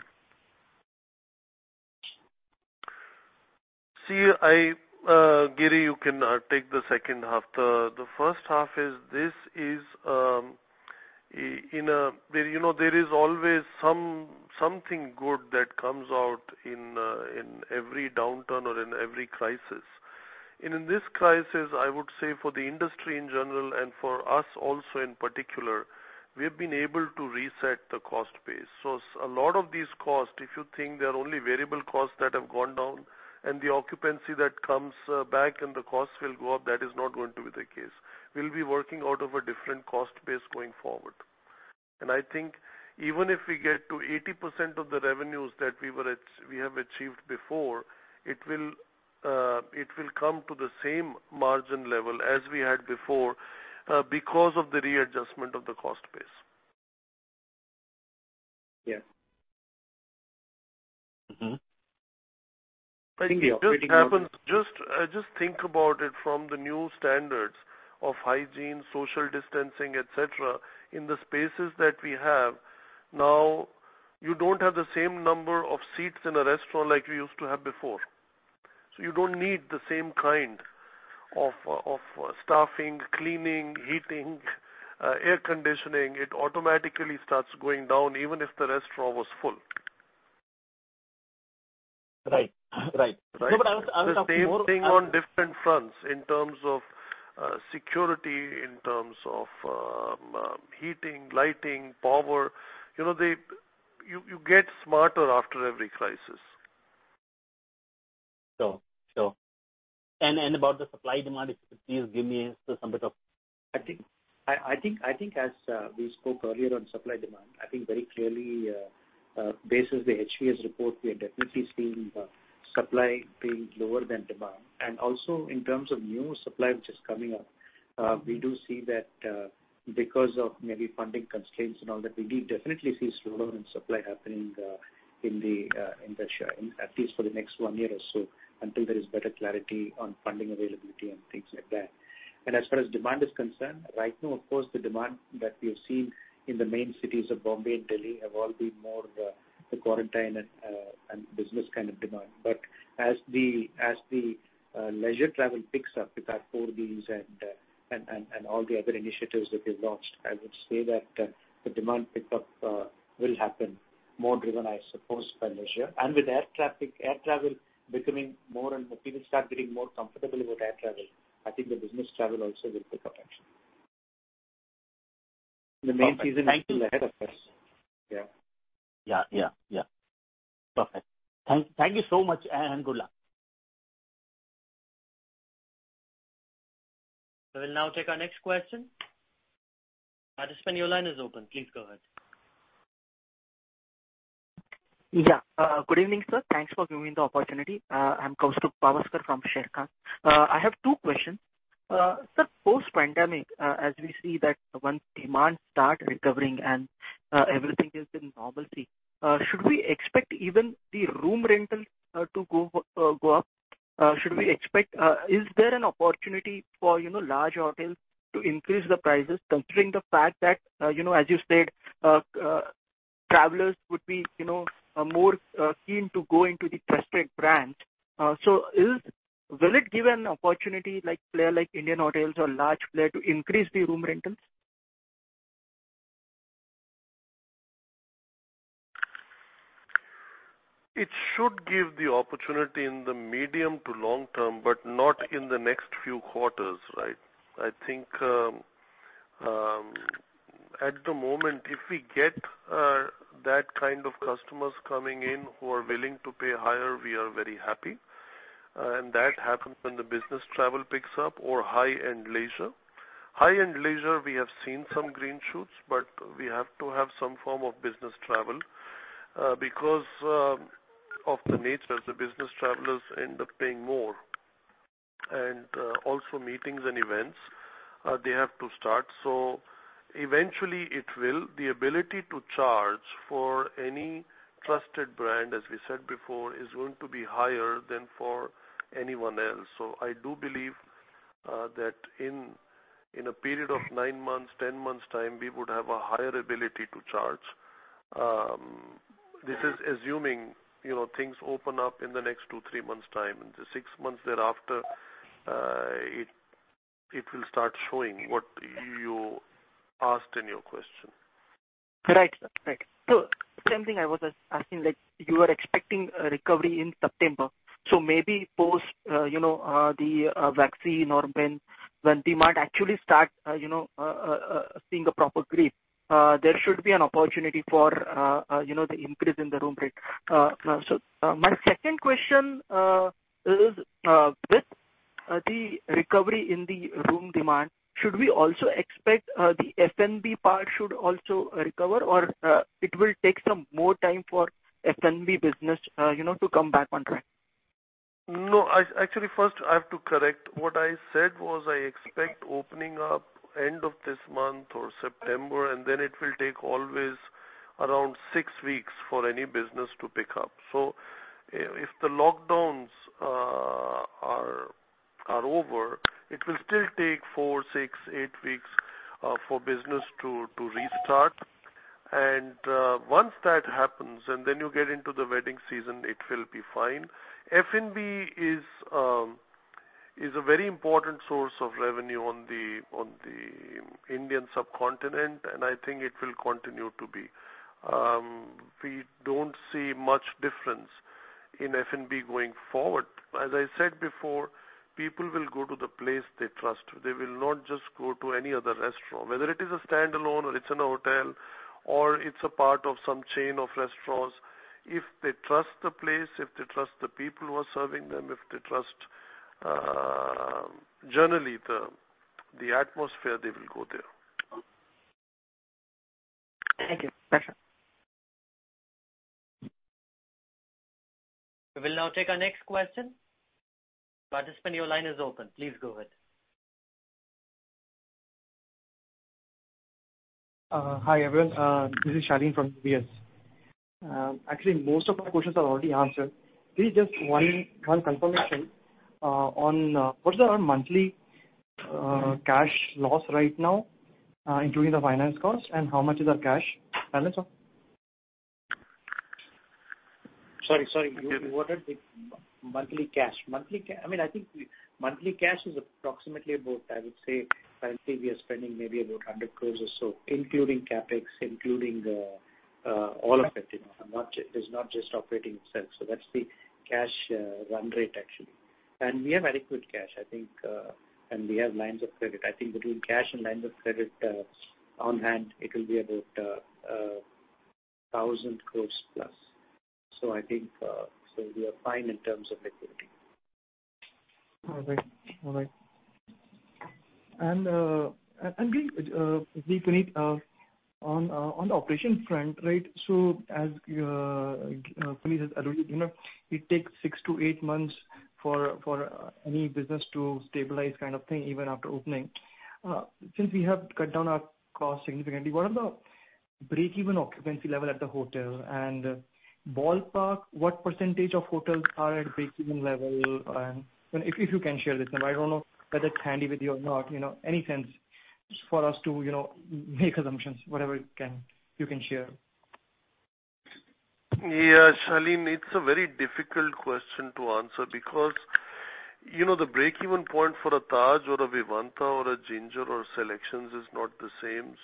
Giri, you can take the second half. The first half is there is always something good that comes out in every downturn or in every crisis. In this crisis, I would say for the industry in general and for us also in particular, we've been able to reset the cost base. A lot of these costs, if you think they're only variable costs that have gone down and the occupancy that comes back and the costs will go up, that is not going to be the case. We'll be working out of a different cost base going forward. I think even if we get to 80% of the revenues that we have achieved before, it will come to the same margin level as we had before because of the readjustment of the cost base. Yes. Just think about it from the new standards of hygiene, social distancing, et cetera, in the spaces that we have. You don't have the same number of seats in a restaurant like we used to have before. You don't need the same kind of staffing, cleaning, heating, air conditioning. It automatically starts going down even if the restaurant was full. Right. No, but I was talking more. The same thing on different fronts in terms of security, in terms of heating, lighting, power. You get smarter after every crisis. Sure. About the supply-demand issue, please give me some bit of. I think as we spoke earlier on supply-demand, I think very clearly, basis the HVS report, we are definitely seeing supply being lower than demand. Also in terms of new supply which is coming up, we do see that because of maybe funding constraints and all that, we definitely see slower in supply happening at least for the next one year or so, until there is better clarity on funding availability and things like that. As far as demand is concerned, right now, of course, the demand that we have seen in the main cities of Bombay and Delhi have all been more of the quarantine and business kind of demand. As the leisure travel picks up with 4Ds and all the other initiatives that we've launched, I would say that the demand pickup will happen more driven, I suppose, by leisure. People start getting more comfortable with air travel, I think the business travel also will pick up actually. Perfect. The main season is still ahead of us. Yeah. Perfect. Thank you so much, and good luck. We will now take our next question. Participant, your line is open. Please go ahead. Good evening, sir. Thanks for giving me the opportunity. I'm Kaustubh Pawaskar from Sharekhan. I have two questions. Sir, post-pandemic, as we see that once demand starts recovering and everything is in normalcy, should we expect even the room rental to go up? Is there an opportunity for large hotels to increase the prices, considering the fact that as you said, travelers would be more keen to go into the trusted brands. Will it give an opportunity, player like Indian Hotels or large player to increase the room rentals? It should give the opportunity in the medium to long term, but not in the next few quarters. I think at the moment, if we get that kind of customers coming in who are willing to pay higher, we are very happy. That happens when the business travel picks up or high-end leisure. High-end leisure, we have seen some green shoots, but we have to have some form of business travel because of the nature of the business travelers end up paying more. Also meetings and events they have to start. Eventually the ability to charge for any trusted brand, as we said before, is going to be higher than for anyone else. I do believe that in a period of nine months, 10-months time, we would have a higher ability to charge. This is assuming things open up in the next two, three months time. In the six months thereafter it will start showing what you asked in your question. Right, sir. Same thing I was asking, you were expecting a recovery in September. Maybe post the vaccine or when demand actually starts seeing a proper grip there should be an opportunity for the increase in the room rate. My second question is with the recovery in the room demand, should we also expect the F&B part should also recover or it will take some more time for F&B business to come back on track? No. Actually, first I have to correct. What I said was I expect opening up end of this month or September, and then it will take always around six weeks for any business to pick up. If the lockdowns are over, it will still take four, six, eight weeks for business to restart. Once that happens, and then you get into the wedding season, it will be fine. F&B is a very important source of revenue on the Indian subcontinent, and I think it will continue to be. We don't see much difference in F&B going forward. As I said before, people will go to the place they trust. They will not just go to any other restaurant, whether it is a standalone or it's in a hotel or it's a part of some chain of restaurants. If they trust the place, if they trust the people who are serving them, if they trust generally the atmosphere, they will go there. Thank you. We will now take our next question. Participant, your line is open. Please go ahead. Hi, everyone. This is Shaleen from UBS. Most of my questions are already answered. Please, just one confirmation. What is our monthly cash loss right now, including the finance cost, and how much is our cash balance now? Sorry. You wanted the monthly cash. I think monthly cash is approximately about, I would say currently we are spending maybe about 100 crores or so, including CapEx, including all of it. It's not just operating itself. That's the cash run rate, actually. We have adequate cash, I think, and we have lines of credit. I think between cash and lines of credit on hand, it will be about 1,000 crores plus. I think we are fine in terms of liquidity. All right. Puneet, on the operation front, as Puneet has alluded, it takes six to eight months for any business to stabilize kind of thing even after opening. Since we have cut down our costs significantly, what is the break-even occupancy level at the hotel and ballpark, what percentage of hotels are at break-even level? If you can share this number, I don't know whether it's handy with you or not. Any sense for us to make assumptions, whatever you can share. Yeah, Shaleen, it's a very difficult question to answer because the break-even point for a Taj or a Vivanta or a Ginger or SeleQtions is not the same.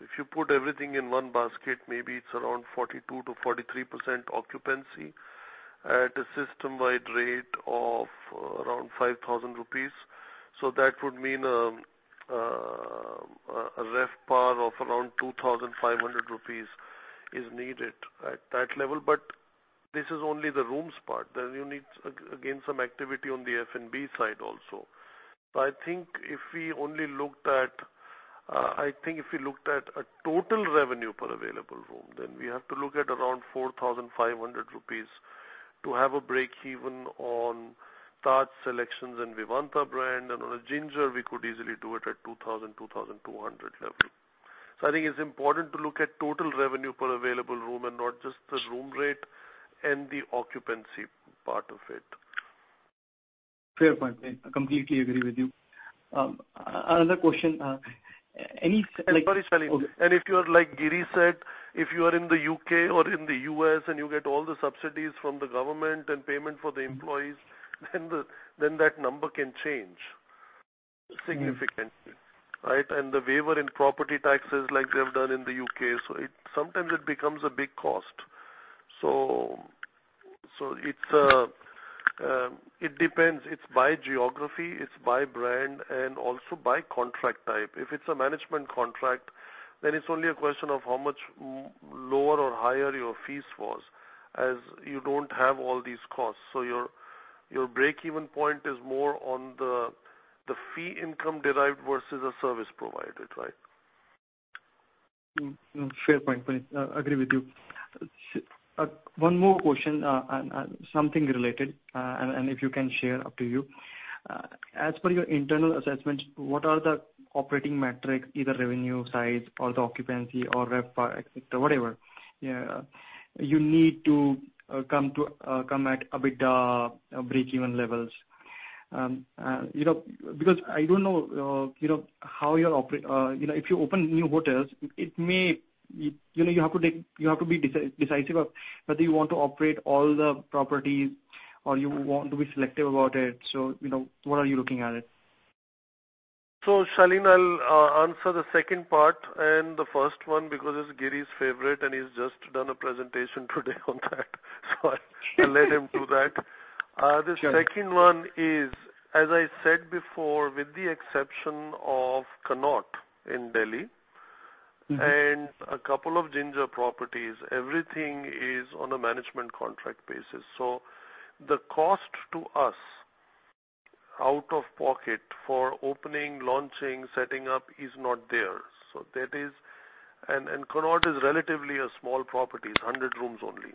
If you put everything in one basket, maybe it's around 42%-43% occupancy at a system-wide rate of around 5,000 rupees. That would mean a RevPAR of around 2,500 rupees is needed at that level. This is only the rooms part. You need, again, some activity on the F&B side also. I think if we looked at a total revenue per available room, then we have to look at around 4,500 rupees to have a break even on Taj, SeleQtions and Vivanta brand, and on a Ginger, we could easily do it at 2,000, 2,200 level. I think it's important to look at total revenue per available room and not just the room rate and the occupancy part of it. Fair point. I completely agree with you. Another question. Sorry, Shaleen. If you are, like Giri said, if you are in the U.K. or in the U.S. and you get all the subsidies from the government and payment for the employees, then that number can change significantly. The waiver in property taxes like they have done in the U.K. Sometimes it becomes a big cost. It depends. It's by geography, it's by brand, and also by contract type. If it's a management contract, then it's only a question of how much lower or higher your fees was, as you don't have all these costs. Your break-even point is more on the fee income derived versus a service provided. Fair point, Puneet. Agree with you. One more question, something related, and if you can share, up to you. As per your internal assessment, what are the operating metrics, either revenue side or the occupancy or RevPAR, etc., whatever, you need to come at EBITDA break-even levels? Because I don't know if you open new hotels, you have to be decisive of whether you want to operate all the properties or you want to be selective about it. What are you looking at it? Shaleen, I'll answer the second part and the first one because it's Giri's favorite, and he's just done a presentation today on that, so I'll let him do that. The second one is, as I said before, with the exception of The Connaught in New Delhi and a couple of Ginger properties, everything is on a management contract basis. The cost to us out of pocket for opening, launching, setting up is not there. The Connaught is relatively a small property, it's 100 rooms only.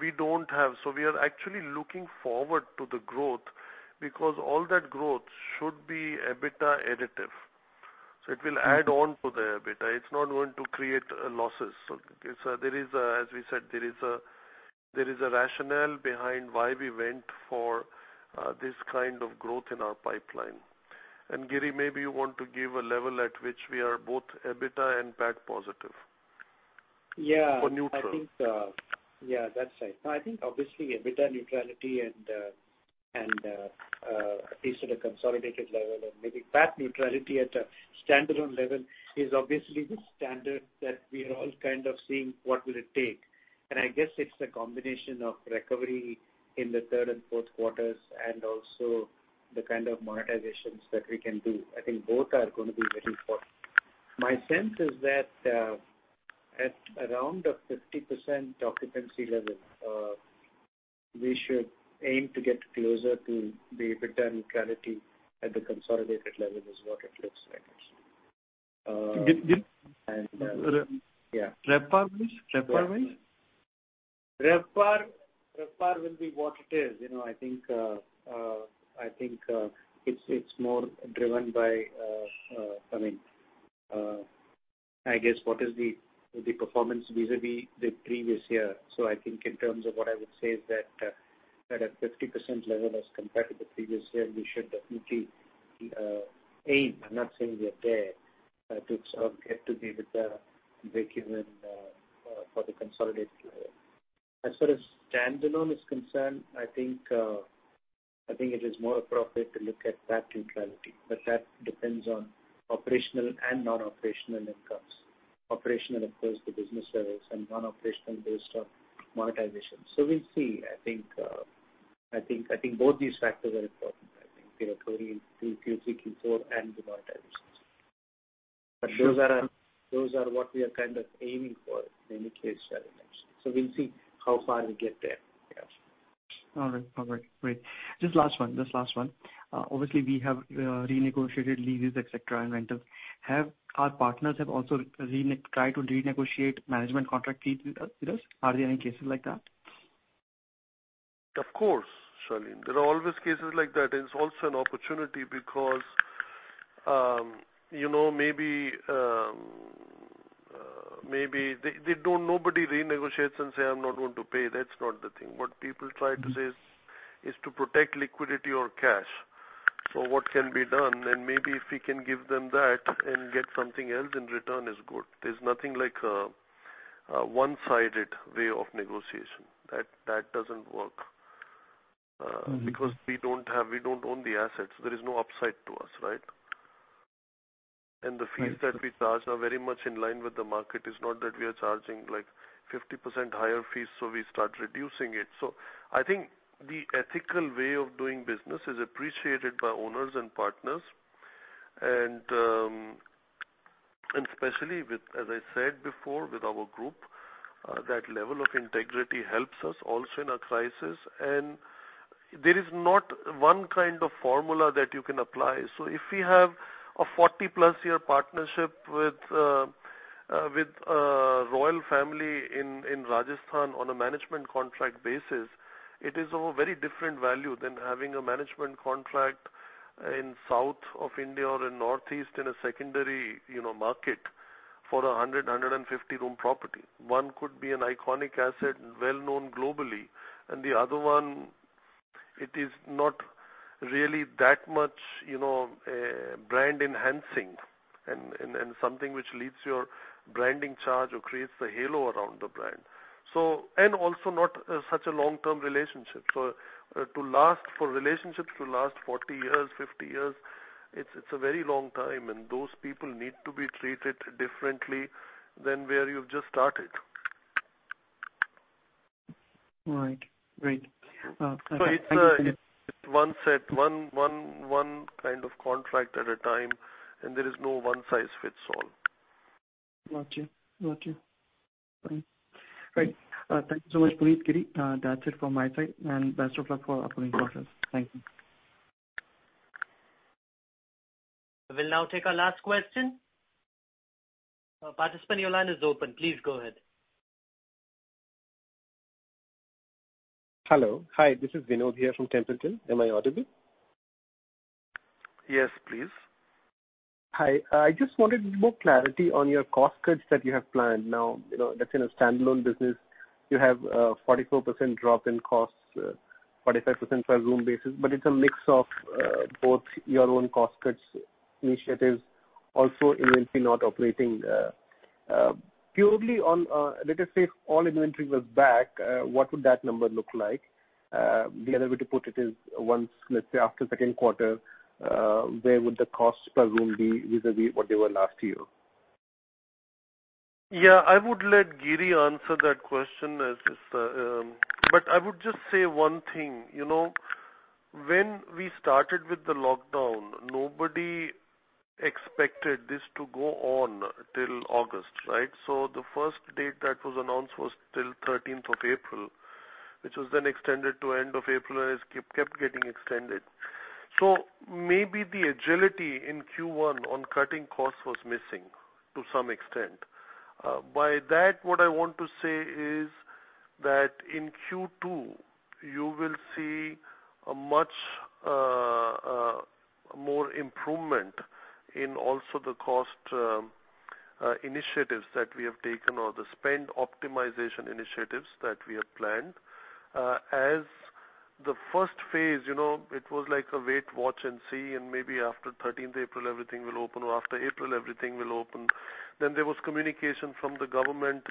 We are actually looking forward to the growth because all that growth should be EBITDA additive. It will add on to the EBITDA. It's not going to create losses. As we said, there is a rationale behind why we went for this kind of growth in our pipeline. Giri, maybe you want to give a level at which we are both EBITDA and PAT positive. Yeah. Neutral. I think, yeah, that's right. I think obviously EBITDA neutrality, at least at a consolidated level, and maybe PAT neutrality at a standalone level, is obviously the standard that we are all kind of seeing what will it take. I guess it's a combination of recovery in the third and fourth quarters and also the kind of monetizations that we can do. I think both are going to be very important. My sense is that at around a 50% occupancy level we should aim to get closer to the EBITDA neutrality at the consolidated level is what it looks like. RevPAR wise? RevPAR will be what it is. I think it's more driven by, I guess, what is the performance vis-a-vis the previous year. I think in terms of what I would say is that at a 50% level as compared to the previous year, we should definitely aim, I'm not saying we are there, to get to the EBITDA breakeven for the consolidated level. As far as standalone is concerned, I think it is more appropriate to look at PAT neutrality, but that depends on operational and non-operational incomes. Operational, of course, the business service and non-operational based on monetization. We'll see. I think both these factors are important. I think recovery in Q3, Q4 and the monetizations. Those are what we are kind of aiming for in any case. We'll see how far we get there. Yeah. All right. Great. Just last one. Obviously we have renegotiated leases, et cetera, and rentals. Have our partners also tried to renegotiate management contract fees with us? Are there any cases like that? Of course, Shaleen. There are always cases like that. It's also an opportunity because nobody renegotiates and say, "I'm not going to pay." That's not the thing. What people try to say is to protect liquidity or cash. What can be done, maybe if we can give them that and get something else in return is good. There's nothing like a one-sided way of negotiation. That doesn't work because we don't own the assets. There is no upside to us, right? The fees that we charge are very much in line with the market. It's not that we are charging 50% higher fees, we start reducing it. I think the ethical way of doing business is appreciated by owners and partners, especially with, as I said before, with our group, that level of integrity helps us also in a crisis. There is not one kind of formula that you can apply. If we have a 40+ year partnership with a royal family in Rajasthan on a management contract basis, it is of a very different value than having a management contract in south of India or in northeast in a secondary market for 100, 150 room property. One could be an iconic asset, well known globally, the other one, it is not really that much brand enhancing and something which leads your branding charge or creates the halo around the brand. Also not such a long-term relationship. For relationships to last 40-years, 50-years, it's a very long time, and those people need to be treated differently than where you've just started. Right. Great. It's one kind of contract at a time, and there is no one-size-fits-all. Got you. Great. Thank you so much, Puneet, Giri. That's it from my side. Best of luck for upcoming quarters. Thank you. We'll now take our last question. Participant, your line is open. Please go ahead. Hello. Hi, this is Vinod here from Templeton. Am I audible? Yes, please. Hi. I just wanted more clarity on your cost cuts that you have planned now that in a standalone business you have a 44% drop in costs, 45% per room basis, but it's a mix of both your own cost cuts initiatives, also inventory not operating. Let us say if all inventory was back, what would that number look like? The other way to put it is once, let's say after second quarter, where would the cost per room be vis-a-vis what they were last year? Yeah, I would let Giri answer that question. I would just say one thing. When we started with the lockdown, nobody expected this to go on till August, right? The first date that was announced was till 13th of April, which was then extended to end of April, and it kept getting extended. Maybe the agility in Q1 on cutting costs was missing to some extent. By that, what I want to say is that in Q2, you will see a much more improvement in also the cost initiatives that we have taken or the spend optimization initiatives that we have planned. As the first phase, it was like a wait, watch, and see, and maybe after 13th April everything will open, or after April everything will open. There was communication from the government,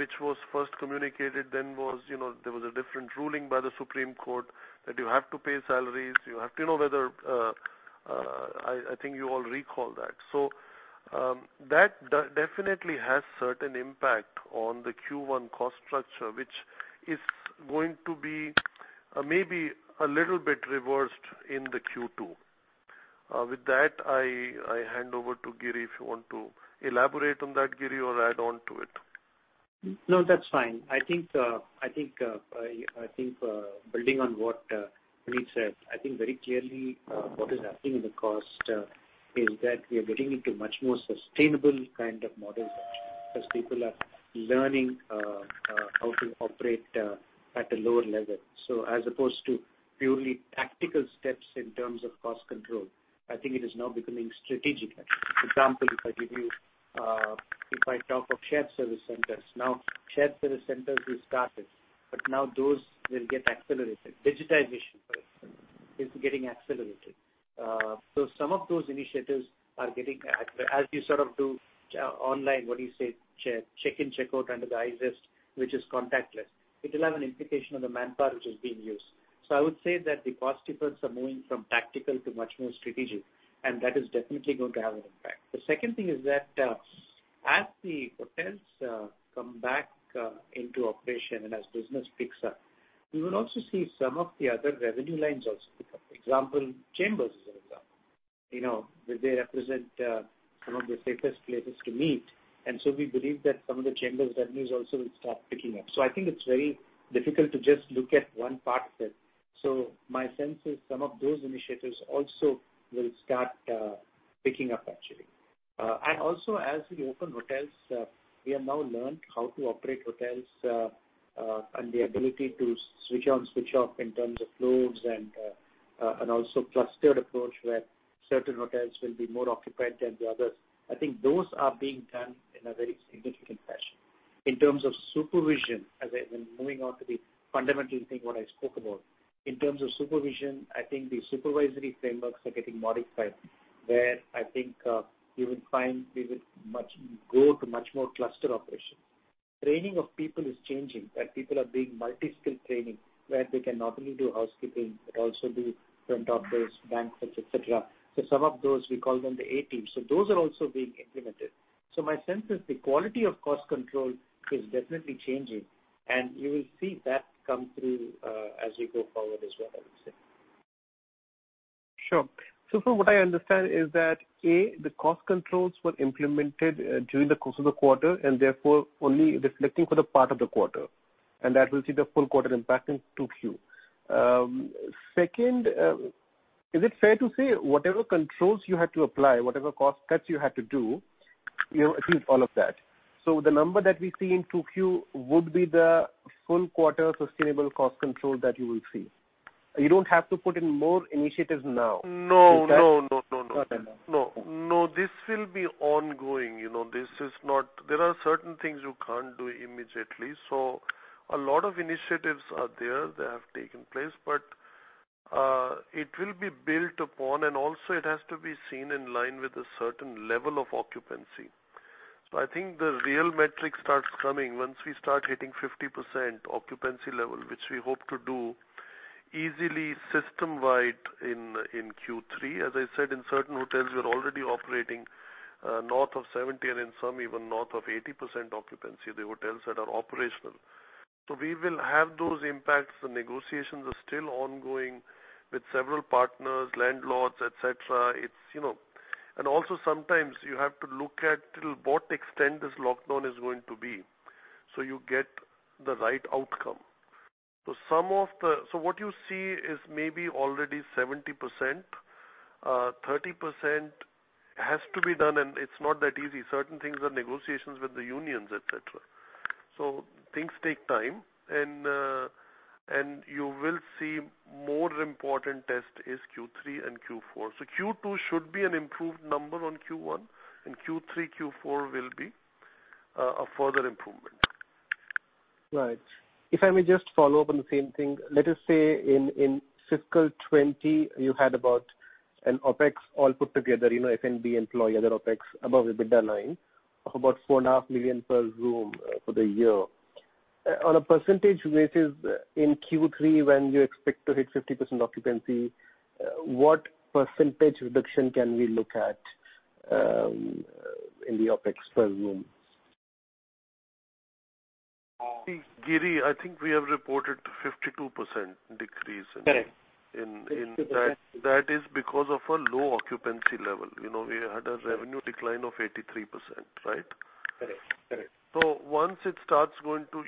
which was first communicated, then there was a different ruling by the Supreme Court that you have to pay salaries. I think you all recall that. That definitely has certain impact on the Q1 cost structure, which is going to be maybe a little bit reversed in the Q2. With that, I hand over to Giri if you want to elaborate on that, Giri, or add on to it. No, that's fine. I think building on what Puneet said, I think very clearly what is happening in the cost is that we are getting into much more sustainable kind of models actually, because people are learning how to operate at a lower level. As opposed to purely tactical steps in terms of cost control, I think it is now becoming strategic. For example, if I talk of shared service centers. Now shared service centers we started, but now those will get accelerated. Digitization, for instance, is getting accelerated. Some of those initiatives are getting as you sort of do online, what do you say? Check-in, check-out under the I-ZEST, which is contactless. It will have an implication on the manpower which is being used. I would say that the cost efforts are moving from tactical to much more strategic, and that is definitely going to have an impact. The second thing is that as the hotels come back into operation and as business picks up, we will also see some of the other revenue lines also pick up. For example, The Chambers is an example. They represent some of the safest places to meet, we believe that some of The Chambers' revenues also will start picking up. I think it's very difficult to just look at one part of it. My sense is some of those initiatives also will start picking up actually. Also as we open hotels, we have now learned how to operate hotels, and the ability to switch on, switch off in terms of loads and also clustered approach where certain hotels will be more occupied than the others. I think those are being done in a very significant fashion. In terms of supervision, as I've been moving on to the fundamental thing, what I spoke about, in terms of supervision, I think the supervisory frameworks are getting modified, where I think you will find we would go to much more cluster operation. Training of people is changing, that people are being multi-skilled trained, where they can not only do housekeeping, but also do front office, banquets, et cetera. Some of those, we call them the A team. Those are also being implemented. My sense is the quality of cost control is definitely changing, and you will see that come through as we go forward as well, I would say. Sure. From what I understand is that A, the cost controls were implemented during the course of the quarter, and therefore only reflecting for the part of the quarter, and that we'll see the full quarter impact in 2Q. Second, is it fair to say whatever controls you had to apply, whatever cost cuts you had to do, you have achieved all of that? The number that we see in 2Q would be the full quarter sustainable cost control that you will see? You don't have to put in more initiatives now. No. Is that-. No. Okay. No. This will be ongoing. There are certain things you can't do immediately. A lot of initiatives are there that have taken place, but it will be built upon, and also it has to be seen in line with a certain level of occupancy. I think the real metric starts coming once we start hitting 50% occupancy level, which we hope to do easily system-wide in Q3. As I said, in certain hotels, we're already operating north of 70%, and in some even north of 80% occupancy, the hotels that are operational. We will have those impacts. The negotiations are still ongoing with several partners, landlords, et cetera. Also sometimes you have to look at till what extent this lockdown is going to be, so you get the right outcome. What you see is maybe already 70%. 30% has to be done, and it's not that easy. Certain things are negotiations with the unions, et cetera. Things take time, and you will see more important test is Q3 and Q4. Q2 should be an improved number on Q1, and Q3, Q4 will be a further improvement. Right. If I may just follow up on the same thing. Let us say in fiscal 2020, you had about an OpEx all put together, F&B employee, other OpEx above the EBITDA line of about 4.5 million per room for the year. On a percentage basis in Q3, when you expect to hit 50% occupancy, what percentage reduction can we look at in the OpEx per room? Giri, I think we have reported 52% decrease. Correct. That is because of a low occupancy level. We had a revenue decline of 83%, right? Correct. Once it starts going to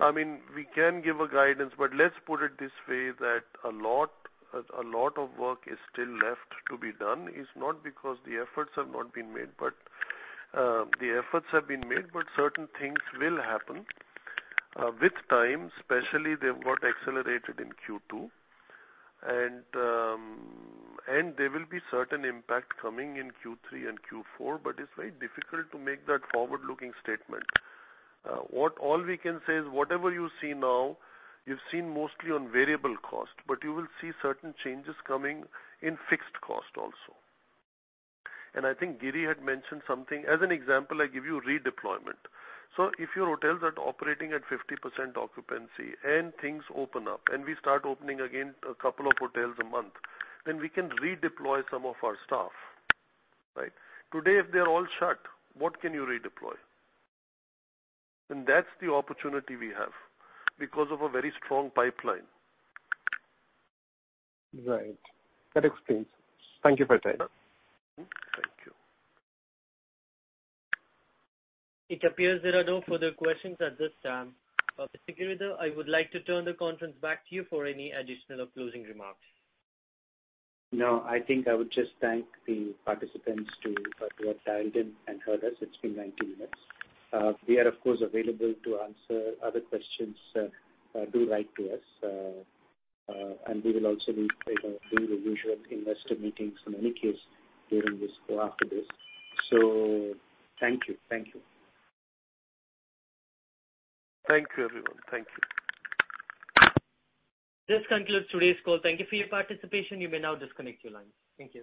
I mean, we can give a guidance, but let's put it this way that a lot of work is still left to be done. Is not because the efforts have not been made, but the efforts have been made, but certain things will happen with time, especially they've got accelerated in Q2. There will be certain impact coming in Q3 and Q4, but it's very difficult to make that forward-looking statement. All we can say is whatever you see now, you've seen mostly on variable cost, but you will see certain changes coming in fixed cost also. I think Giri had mentioned something. As an example, I give you redeployment. If your hotels are operating at 50% occupancy and things open up and we start opening again a couple of hotels a month, then we can redeploy some of our staff. Today, if they're all shut, what can you redeploy? That's the opportunity we have because of a very strong pipeline. Right. That explains. Thank you for your time. Thank you. It appears there are no further questions at this time. Mr. Giridhar, I would like to turn the conference back to you for any additional or closing remarks. No, I think I would just thank the participants who have dialed in and heard us. It's been 90 minutes. We are, of course, available to answer other questions. Do write to us, and we will also be doing the usual investor meetings in any case during this or after this. Thank you. Thank you, everyone. Thank you. This concludes today's call. Thank you for your participation. You may now disconnect your lines. Thank you.